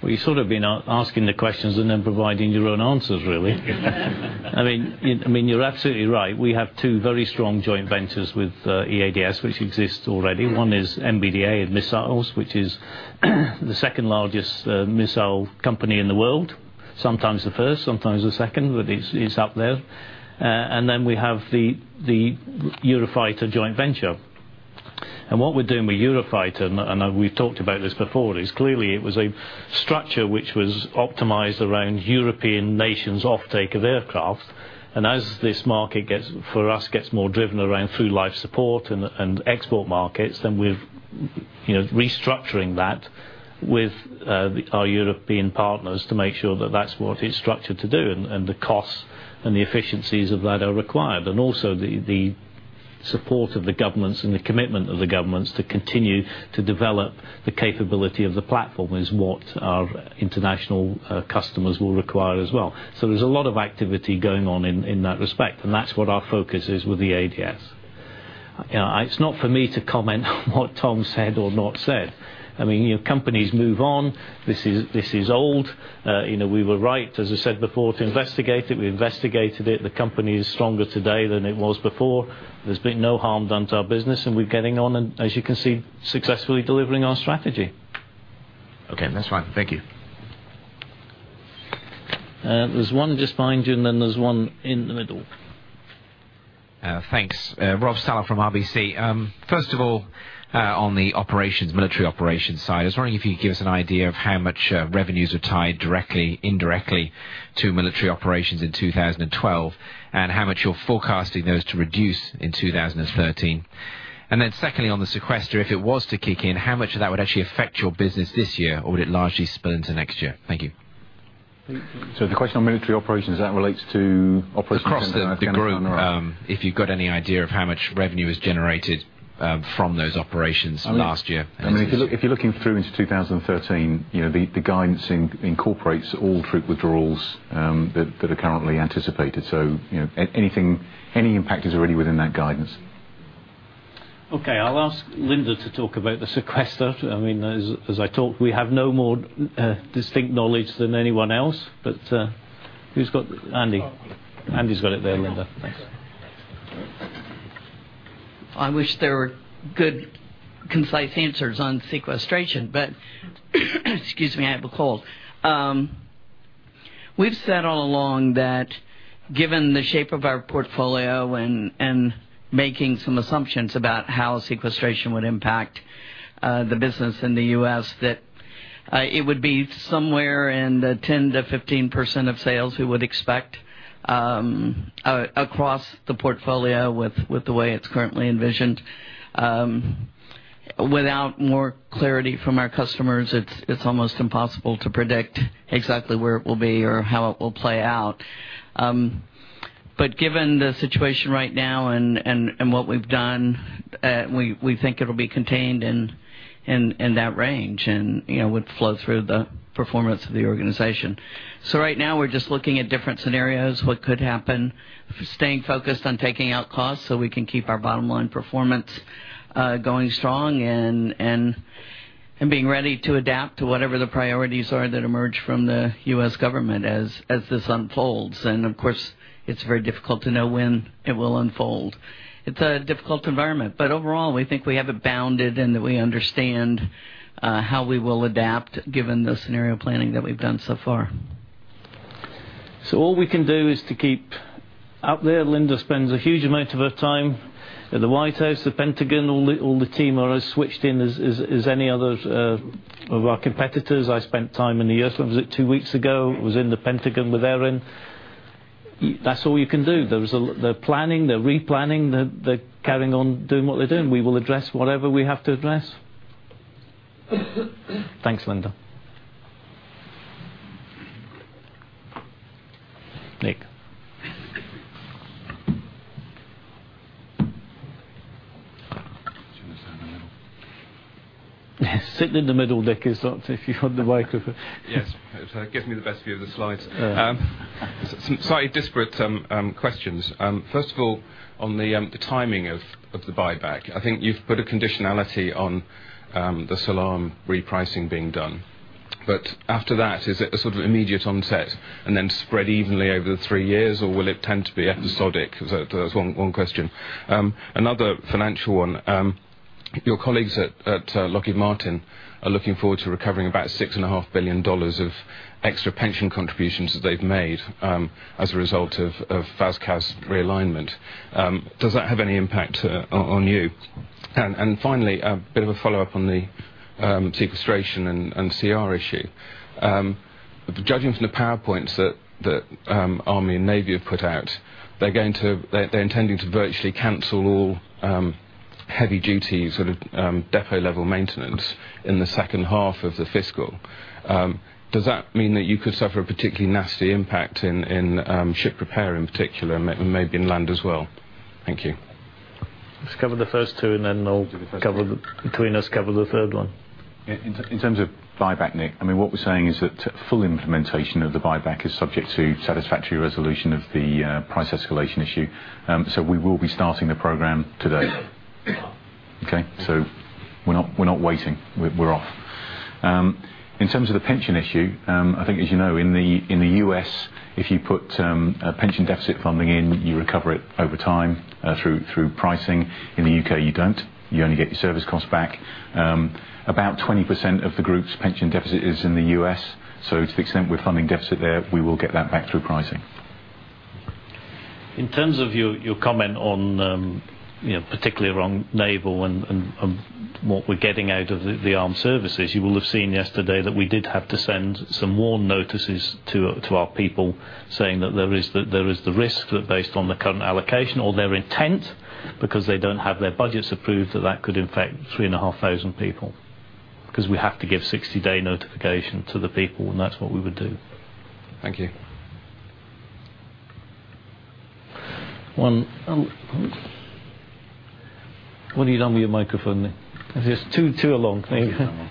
Well, you sort of been asking the questions providing your own answers, really. You're absolutely right. We have two very strong joint ventures with EADS, which exist already. One is MBDA in missiles, which is the second-largest missile company in the world. Sometimes the first, sometimes the second, but it's up there. Then we have the Eurofighter joint venture. What we're doing with Eurofighter, and we've talked about this before, is clearly it was a structure which was optimized around European nations' offtake of aircraft. As this market, for us, gets more driven around through life support and export markets, then we're restructuring that with our European partners to make sure that that's what it's structured to do, and the costs and the efficiencies of that are required. The support of the governments and the commitment of the governments to continue to develop the capability of the platform is what our international customers will require as well. So there's a lot of activity going on in that respect, and that's what our focus is with EADS. It's not for me to comment on what Tom said or not said. Companies move on. This is old. We were right, as I said before, to investigate it. We investigated it. The company is stronger today than it was before. There's been no harm done to our business, and we're getting on, and as you can see, successfully delivering our strategy. Okay. That's fine. Thank you. There's one just behind you, and then there's one in the middle. Thanks. Robert Stallard from RBC. First of all, on the military operations side, I was wondering if you could give us an idea of how much revenues are tied directly, indirectly to military operations in 2012, and how much you're forecasting those to reduce in 2013. Secondly, on the sequester, if it was to kick in, how much of that would actually affect your business this year, or would it largely spill into next year? Thank you. The question on military operations, that relates to operations in Afghanistan or Iraq? Across the group. If you've got any idea of how much revenue is generated from those operations last year and this year? If you're looking through into 2013, the guidance incorporates all troop withdrawals that are currently anticipated. Any impact is already within that guidance. Okay. I'll ask Linda to talk about the sequester. As I talk, we have no more distinct knowledge than anyone else, but Andy. Andy's got it there, Linda. Thanks. I wish there were good, concise answers on sequestration. Excuse me, I have a cold. We've said all along that given the shape of our portfolio and making some assumptions about how sequestration would impact the business in the U.S., that it would be somewhere in the 10%-15% of sales we would expect across the portfolio with the way it's currently envisioned. Without more clarity from our customers, it's almost impossible to predict exactly where it will be or how it will play out. Given the situation right now and what we've done, we think it'll be contained in that range and would flow through the performance of the organization. Right now, we're just looking at different scenarios, what could happen, staying focused on taking out costs so we can keep our bottom line performance going strong, and being ready to adapt to whatever the priorities are that emerge from the U.S. government as this unfolds. Of course, it's very difficult to know when it will unfold. It's a difficult environment, overall, we think we have it bounded and that we understand how we will adapt given the scenario planning that we've done so far. All we can do is to keep up there. Linda spends a huge amount of her time at the White House, the Pentagon. All the team are as switched in as any other of our competitors. I spent time in the U.S., what was it? Two weeks ago. I was in the Pentagon with Erin. That's all you can do. They're planning, they're replanning, they're carrying on doing what they're doing. We will address whatever we have to address. Thanks, Linda. Nick. Do you want this down a little? Sitting in the middle, Nick, is not if you want the microphone. Yes. It gives me the best view of the slides. Yeah. Some slightly disparate questions. First of all, on the timing of the buyback, I think you've put a conditionality on the Salam repricing being done. After that, is it a sort of immediate onset and then spread evenly over the three years, or will it tend to be episodic? That's one question. Another financial one. Your colleagues at Lockheed Martin are looking forward to recovering about $6.5 billion of extra pension contributions that they've made as a result of CAS's realignment. Does that have any impact on you? Finally, a bit of a follow-up on the sequestration and CR issue. Judging from the PowerPoints that Army and Navy have put out, they're intending to virtually cancel all heavy duty depot level maintenance in the second half of the fiscal. Does that mean that you could suffer a particularly nasty impact in ship repair in particular, and maybe in land as well? Thank you. Let's cover the first two. I'll do the first two -between us, cover the third one. In terms of buyback, Nick, what we're saying is that full implementation of the buyback is subject to satisfactory resolution of the price escalation issue. We will be starting the program today. Okay? We're not waiting. We're off. In terms of the pension issue, I think as you know, in the U.S., if you put pension deficit funding in, you recover it over time through pricing. In the U.K., you don't. You only get your service costs back. About 20% of the group's pension deficit is in the U.S., so to the extent we're funding deficit there, we will get that back through pricing. In terms of your comment on, particularly around Naval and what we're getting out of the armed services, you will have seen yesterday that we did have to send some warn notices to our people saying that there is the risk that based on the current allocation or their intent, because they don't have their budgets approved, that that could affect 3,500 people. We have to give 60-day notification to the people, and that's what we would do. Thank you. What have you done with your microphone, Nick? Is this too long maybe? Too long.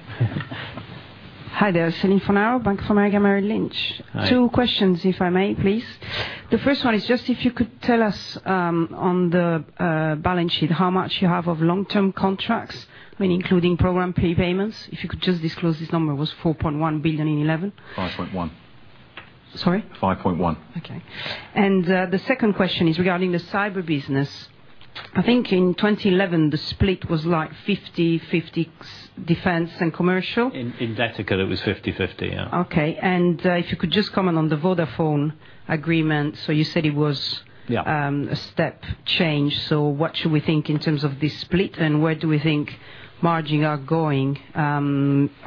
Hi there. Céline Fornaro, Bank of America, Merrill Lynch. Hi. Two questions, if I may, please. The first one is just if you could tell us on the balance sheet how much you have of long-term contracts, including program prepayments. If you could just disclose this number. It was 4.1 billion in 2011. 5.1. Sorry? 5.1. Okay. The second question is regarding the cyber business. I think in 2011, the split was like 50/50 defense and commercial. In Detica, it was 50/50, yeah. Okay. If you could just comment on the Vodafone agreement. You said it was. Yeah a step change. What should we think in terms of the split, and where do we think margin are going?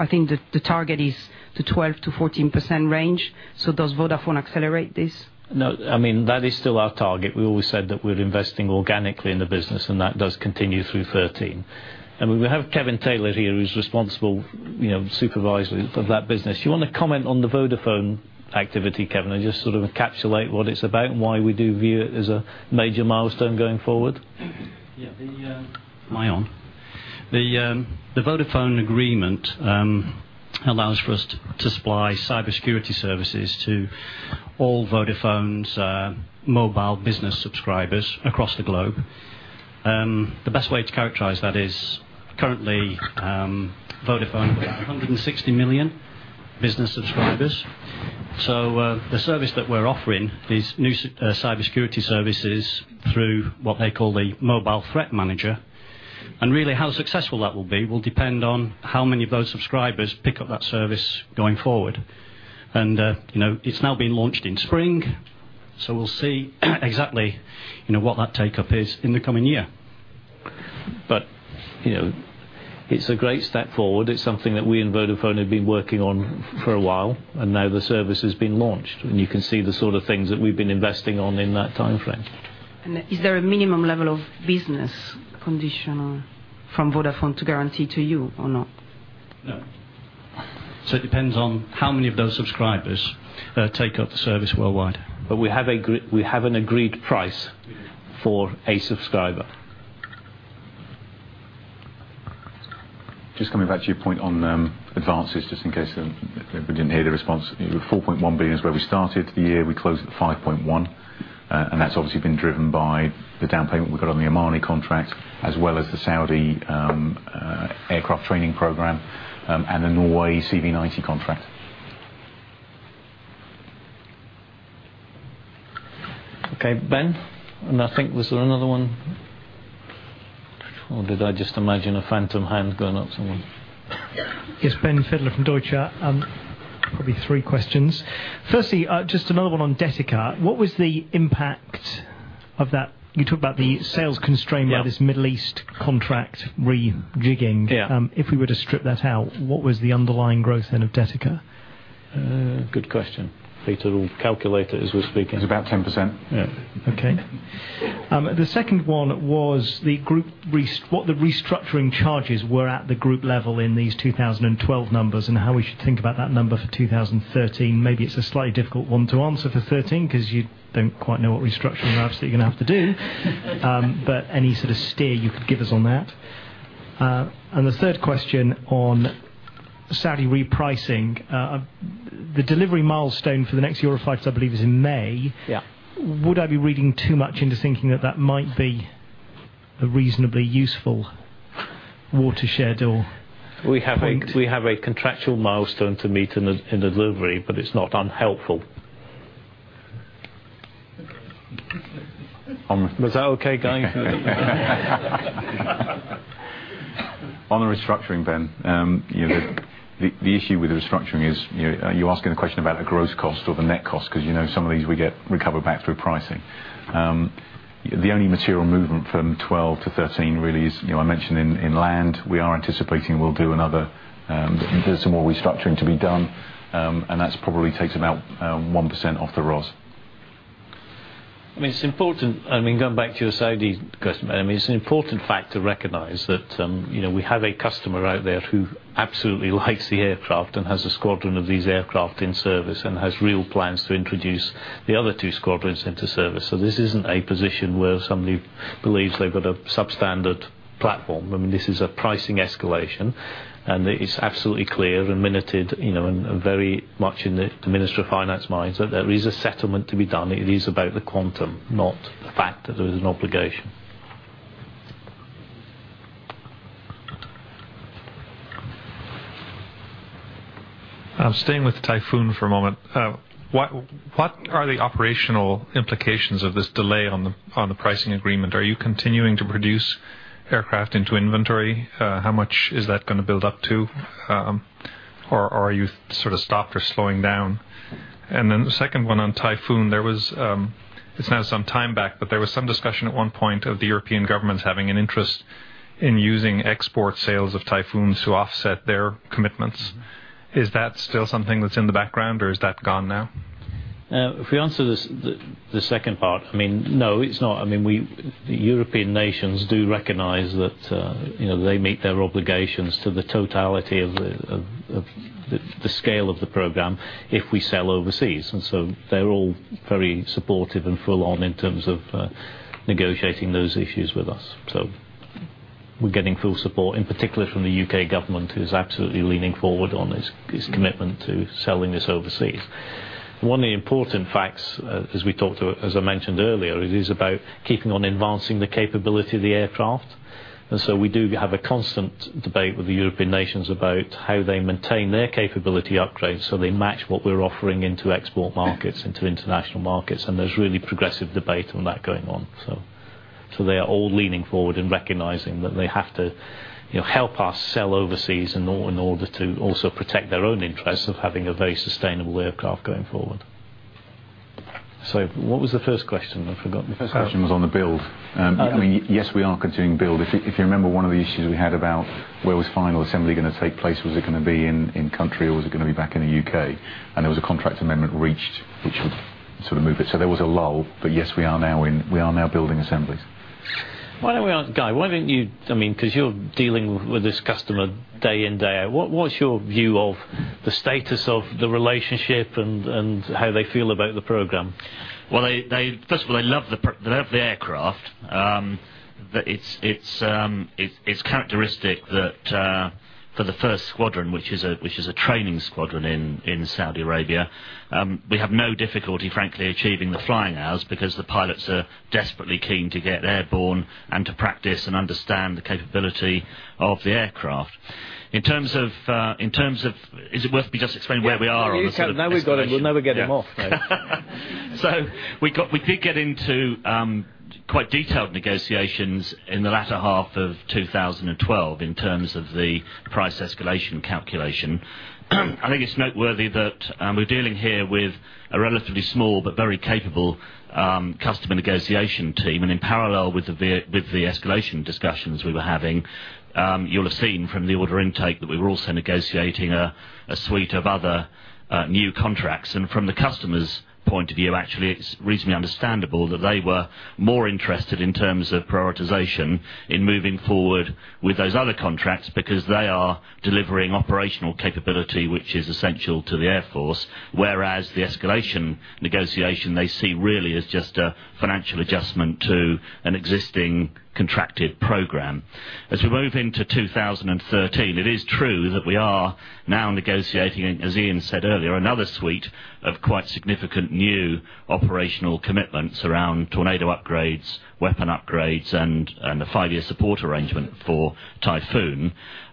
I think the target is the 12%-14% range. Does Vodafone accelerate this? No. That is still our target. We always said that we're investing organically in the business, and that does continue through 2013. We have Kevin Taylor here, who's responsible supervisor of that business. You want to comment on the Vodafone activity, Kevin, and just sort of encapsulate what it's about and why we do view it as a major milestone going forward? Yeah. Am I on? The Vodafone agreement allows for us to supply cybersecurity services to all Vodafone's mobile business subscribers across the globe. The best way to characterize that is currently Vodafone have 160 million business subscribers. The service that we're offering is new cybersecurity services through what they call the Mobile Threat Manager. How successful that will be, will depend on how many of those subscribers pick up that service going forward. It's now been launched in spring, so we'll see exactly what that take-up is in the coming year. It's a great step forward. It's something that we and Vodafone have been working on for a while, and now the service has been launched. You can see the sort of things that we've been investing on in that time frame. Is there a minimum level of business conditional from Vodafone to guarantee to you or not? No. It depends on how many of those subscribers take up the service worldwide. We have an agreed price for a subscriber. Just coming back to your point on advances, just in case anybody didn't hear the response. 4.1 billion is where we started the year. We closed at 5.1 billion. That's obviously been driven by the down payment we got on the Omani contract, as well as the Saudi Aircraft Training Program, and the Norway CV90 contract. Okay, Ben. I think, was there another one? Or did I just imagine a phantom hand going up somewhere? Yes, Ben Fidler from Deutsche. Probably three questions. Firstly, just another one on Detica. What was the impact of that? You talked about the sales constraint. Yeah With this Middle East contract rejigging. Yeah. If we were to strip that out, what was the underlying growth then of Detica? Good question. Peter will calculate it as we're speaking. It's about 10%. Yeah. Okay. The second one was what the restructuring charges were at the group level in these 2012 numbers, and how we should think about that number for 2013. Maybe it's a slightly difficult one to answer for 2013, because you don't quite know what restructuring you're obviously going to have to do. Any sort of steer you could give us on that. The third question on Saudi repricing. The delivery milestone for the next Eurofighter, I believe, is in May. Yeah. Would I be reading too much into thinking that that might be a reasonably useful watershed or point? We have a contractual milestone to meet in delivery, it's not unhelpful. Was that okay, Guy? On the restructuring, Ben. The issue with the restructuring is, you're asking a question about a gross cost or the net cost. Some of these we recover back through pricing. The only material movement from 2012 to 2013 really is, I mentioned in land, we are anticipating there's some more restructuring to be done, that probably takes about 1% off the ROS. Going back to your Saudi question, it's an important fact to recognize that we have a customer out there who absolutely likes the aircraft and has a squadron of these aircraft in service and has real plans to introduce the other two squadrons into service. This isn't a position where somebody believes they've got a substandard platform. This is a pricing escalation, it's absolutely clear and minuted, and very much in the Ministry of Finance minds, that there is a settlement to be done. It is about the quantum, not the fact that there is an obligation. Staying with Typhoon for a moment. What are the operational implications of this delay on the pricing agreement? Are you continuing to produce aircraft into inventory? How much is that going to build up to? Or are you sort of stopped or slowing down? The second one on Typhoon, it's now some time back, but there was some discussion at one point of the European governments having an interest in using export sales of Typhoons to offset their commitments. Is that still something that's in the background, or is that gone now? If we answer the second part. No, it's not. The European nations do recognize that they meet their obligations to the totality of the scale of the program if we sell overseas. They're all very supportive and full-on in terms of negotiating those issues with us. We're getting full support, in particular from the U.K. government, who's absolutely leaning forward on this commitment to selling this overseas. One of the important facts, as I mentioned earlier, it is about keeping on advancing the capability of the aircraft. We do have a constant debate with the European nations about how they maintain their capability upgrades, so they match what we're offering into export markets, into international markets, and there's really progressive debate on that going on. They are all leaning forward and recognizing that they have to help us sell overseas in order to also protect their own interests of having a very sustainable aircraft going forward. What was the first question? I forgot. The first question was on the build. Oh, yeah. Yes, we are continuing build. If you remember, one of the issues we had about where was final assembly going to take place, was it going to be in country, or was it going to be back in the U.K.? There was a contract amendment reached, which would sort of move it. There was a lull, but yes, we are now building assemblies. Guy, because you're dealing with this customer day in, day out, what's your view of the status of the relationship and how they feel about the program? Well, first of all, they love the aircraft. It's characteristic that for the first squadron, which is a training squadron in Saudi Arabia, we have no difficulty, frankly, achieving the flying hours because the pilots are desperately keen to get airborne and to practice and understand the capability of the aircraft. In terms of, is it worth me just explaining where we are on this sort of escalation? Yeah. Well, you sort of, now we've got it, we'll never get him off, Dave. We did get into quite detailed negotiations in the latter half of 2012 in terms of the price escalation calculation. I think it's noteworthy that we're dealing here with a relatively small but very capable customer negotiation team, and in parallel with the escalation discussions we were having, you'll have seen from the order intake that we were also negotiating a suite of other new contracts. From the customer's point of view, actually, it's reasonably understandable that they were more interested in terms of prioritization in moving forward with those other contracts because they are delivering operational capability, which is essential to the Air Force, whereas the escalation negotiation they see really as just a financial adjustment to an existing contracted program. As we move into 2013, it is true that we are now negotiating, as Ian said earlier, another suite of quite significant new operational commitments around Tornado upgrades, weapon upgrades, and a five-year support arrangement for Typhoon.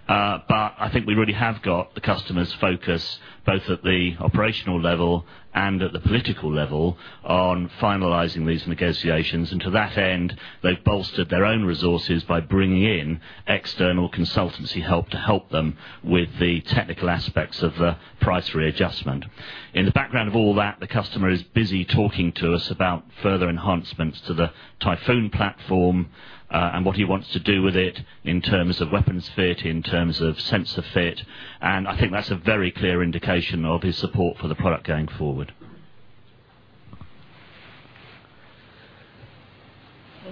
I think we really have got the customer's focus, both at the operational level and at the political level, on finalizing these negotiations, and to that end, they've bolstered their own resources by bringing in external consultancy help to help them with the technical aspects of the price readjustment. In the background of all that, the customer is busy talking to us about further enhancements to the Typhoon platform, and what he wants to do with it in terms of weapons fit, in terms of sensor fit, and I think that's a very clear indication of his support for the product going forward.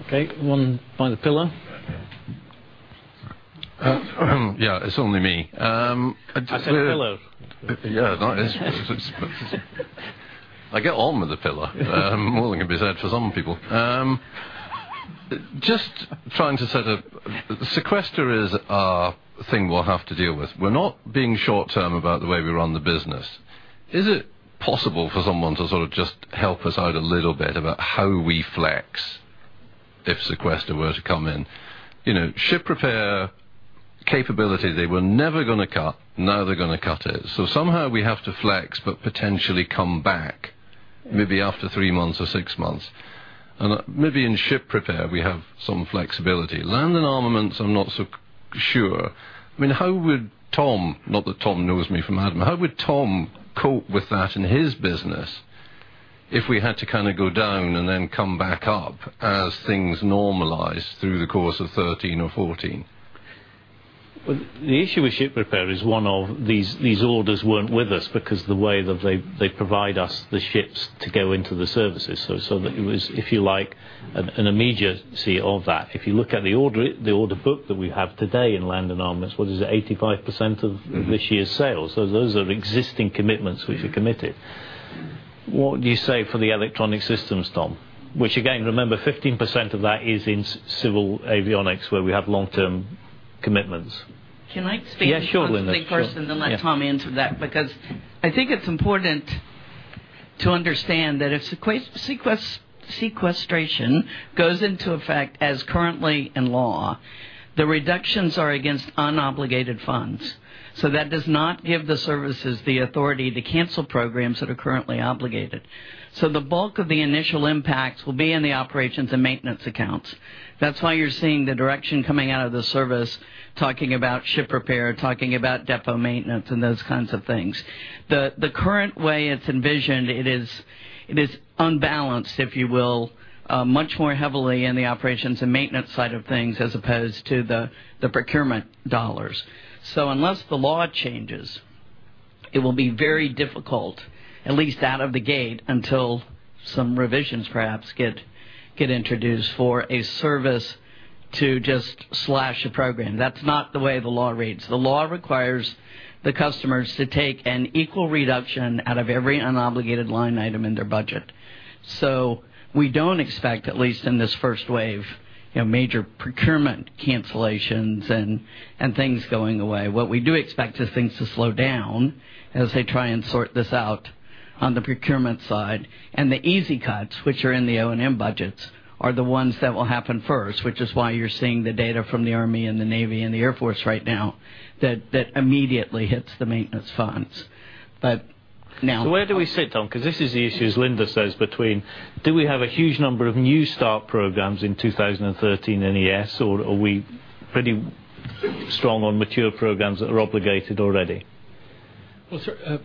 Okay. The one by the pillar. Yeah. It's only me. I said pillow. Yeah. No, it's I get on with the pillar. More than can be said for some people. Just trying to set up, sequester is a thing we'll have to deal with. We're not being short-term about the way we run the business. Is it possible for someone to sort of just help us out a little bit about how we flex if sequester were to come in? Ship repair capability, they were never going to cut, now they're going to cut it. Somehow we have to flex but potentially come back maybe after three months or six months. And maybe in ship repair we have some flexibility. Land & Armaments, I'm not so sure. I mean, how would Tom, not that Tom knows me from Adam, how would Tom cope with that in his business if we had to go down and then come back up as things normalize through the course of 2013 or 2014? Well, the issue with ship repair is one of these orders weren't with us because the way that they provide us the ships to go into the services. It was, if you like, an immediacy of that. If you look at the order book that we have today in Land & Armaments, what is it, 85% of this year's sales. Those are existing commitments which are committed. What would you say for the electronic systems, Tom? Which again, remember 15% of that is in civil avionics, where we have long-term commitments. Can I speak- Yeah, sure, Linda. Sure -quickly first and then let Tom answer that, because I think it's important to understand that if sequestration goes into effect as currently in law, the reductions are against unobligated funds. That does not give the services the authority to cancel programs that are currently obligated. The bulk of the initial impacts will be in the operations and maintenance accounts. That's why you're seeing the direction coming out of the service, talking about ship repair, talking about depot maintenance, and those kinds of things. The current way it's envisioned, it is unbalanced, if you will, much more heavily in the operations and maintenance side of things as opposed to the procurement dollars. Unless the law changes, it will be very difficult, at least out of the gate, until some revisions perhaps get introduced for a service to just slash a program. That's not the way the law reads. The law requires the customers to take an equal reduction out of every unobligated line item in their budget. We don't expect, at least in this first wave, major procurement cancellations and things going away. What we do expect is things to slow down as they try and sort this out on the procurement side. The easy cuts, which are in the O&M budgets, are the ones that will happen first, which is why you're seeing the data from the Army and the Navy and the Air Force right now that immediately hits the maintenance funds. Now. Where do we sit, Tom? Because this is the issue, as Linda says, between do we have a huge number of new start programs in 2013 and ES, or are we pretty strong on mature programs that are obligated already? Sir,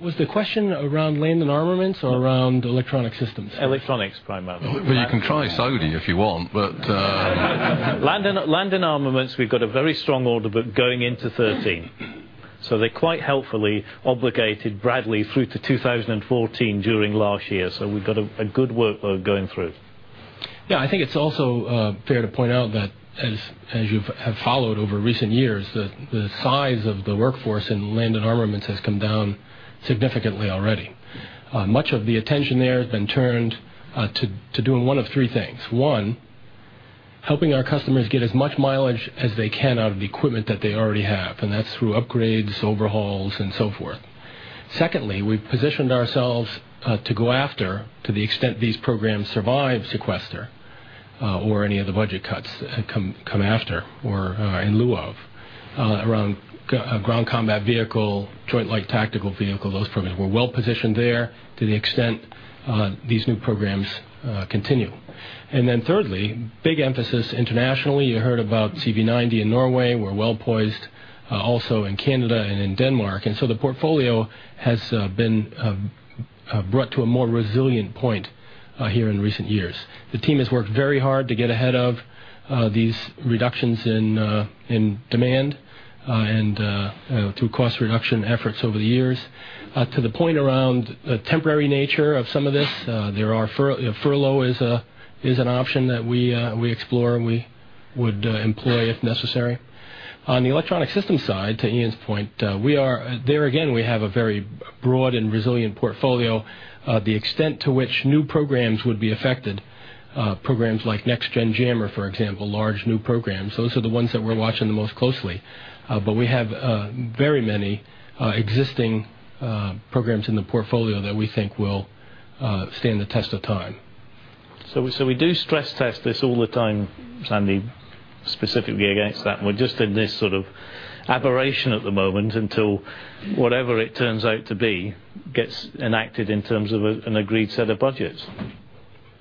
was the question around Land & Armaments or around Electronic Systems? Electronics, primarily. Well, you can try Saudi if you want. Land & Armaments, we've got a very strong order book going into 2013. They quite helpfully obligated Bradley through to 2014 during last year. We've got a good workload going through. Yeah, I think it's also fair to point out that as you have followed over recent years, the size of the workforce in Land & Armaments has come down significantly already. Much of the attention there has been turned to doing one of three things. One, helping our customers get as much mileage as they can out of the equipment that they already have, and that's through upgrades, overhauls, and so forth. Secondly, we've positioned ourselves to go after, to the extent these programs survive sequestration or any of the budget cuts that come after or in lieu of, around Ground Combat Vehicle, Joint Light Tactical Vehicle, those programs. We're well-positioned there to the extent these new programs continue. Thirdly, big emphasis internationally. You heard about CV90 in Norway. We're well-poised also in Canada and in Denmark. The portfolio has been brought to a more resilient point here in recent years. The team has worked very hard to get ahead of these reductions in demand and through cost reduction efforts over the years. To the point around the temporary nature of some of this, furlough is an option that we explore and we would employ if necessary. On the electronic system side, to Ian's point, there again, we have a very broad and resilient portfolio. The extent to which new programs would be affected, programs like Next Generation Jammer, for example, large new programs, those are the ones that we're watching the most closely. We have very many existing programs in the portfolio that we think will stand the test of time. We do stress test this all the time, Sandy, specifically against that, and we're just in this sort of aberration at the moment until whatever it turns out to be gets enacted in terms of an agreed set of budgets.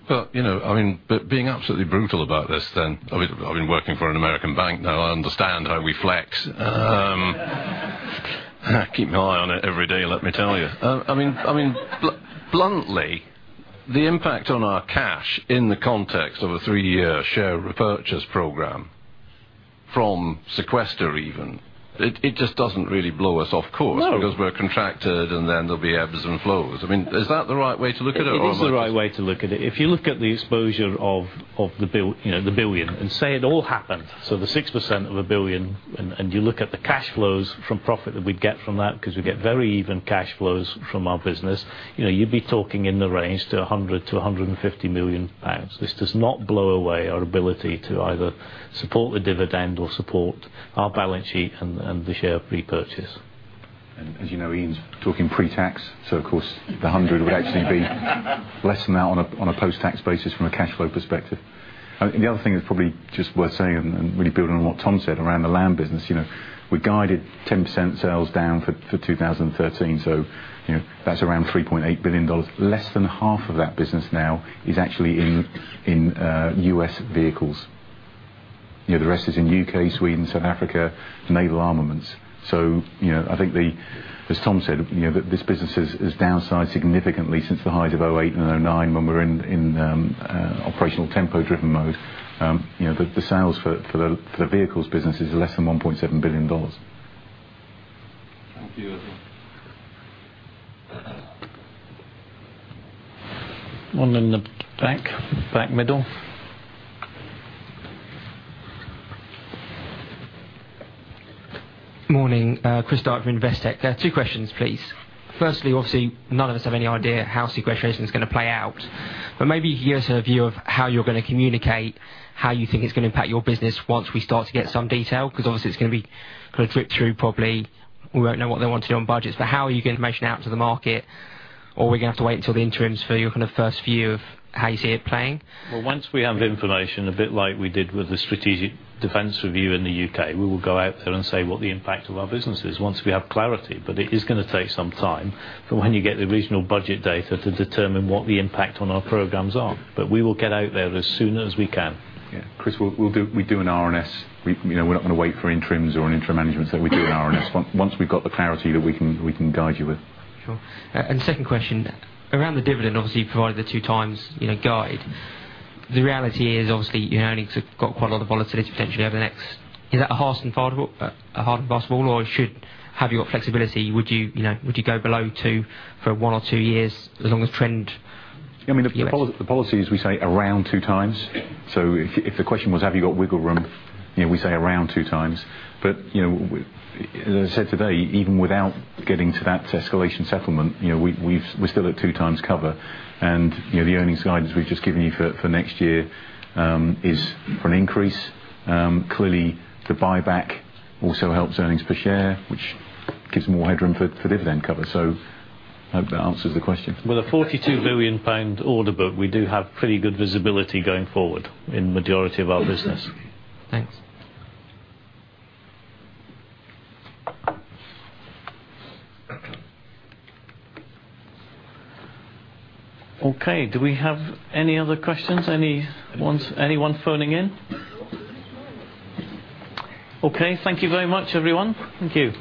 Being absolutely brutal about this then, I've been working for an American bank now I understand how we flex. I keep my eye on it every day, let me tell you. Bluntly, the impact on our cash in the context of a three-year share repurchase program from sequestration even, it just doesn't really blow us off course. No Because we're contracted, and then there'll be ebbs and flows. Is that the right way to look at it, or am I just. It is the right way to look at it. If you look at the exposure of the 1 billion, and say it all happened, so the 6% of a 1 billion, and you look at the cash flows from profit that we'd get from that, because we get very even cash flows from our business, you'd be talking in the range to 100 million-150 million pounds. This does not blow away our ability to either support the dividend or support our balance sheet and the share repurchase. As you know, Ian's talking pre-tax, of course, the 100 would actually be less than that on a post-tax basis from a cash flow perspective. The other thing that's probably just worth saying, and really building on what Tom said around the land business, we guided 10% sales down for 2013, that's around GBP 3.8 billion. Less than half of that business now is actually in U.S. vehicles. The rest is in U.K., Sweden, South Africa, naval armaments. I think, as Tom said, this business has downsized significantly since the height of 2008 and 2009 when we were in operational tempo-driven mode. The sales for the vehicles business is less than GBP 1.7 billion. Thank you. One in the back. Back middle. Morning. Chris Dyett from Investec. Two questions, please. Firstly, obviously, none of us have any idea how sequestration's going to play out, maybe you can give us a view of how you're going to communicate how you think it's going to impact your business once we start to get some detail, obviously it's going to drip through, probably. We won't know what they want on budgets, how are you going to get information out to the market? Are we going to have to wait until the interims for your first view of how you see it playing? Well, once we have information, a bit like we did with the Strategic Defence Review in the U.K., we will go out there and say what the impact to our business is once we have clarity. It is going to take some time from when you get the regional budget data to determine what the impact on our programs are. We will get out there as soon as we can. Yeah. Chris, we do an RNS. We're not going to wait for interims or an interim management. We do an RNS once we've got the clarity that we can guide you with. Sure. Second question, around the dividend, obviously, you provided the two times guide. The reality is, obviously, your earnings have got quite a lot of volatility potentially over the next. Is that a hard and fast rule, or have you got flexibility, would you go below two for one or two years, as long as trend The policy, as we say, around two times. If the question was have you got wiggle room, we say around two times. As I said today, even without getting to that escalation settlement, we're still at two times cover. The earnings guidance we've just given you for next year is for an increase. Clearly, the buyback also helps earnings per share, which gives more headroom for dividend cover. I hope that answers the question. With a 42 billion pound order book, we do have pretty good visibility going forward in the majority of our business. Thanks. Okay, do we have any other questions? Anyone phoning in? Okay, thank you very much, everyone. Thank you.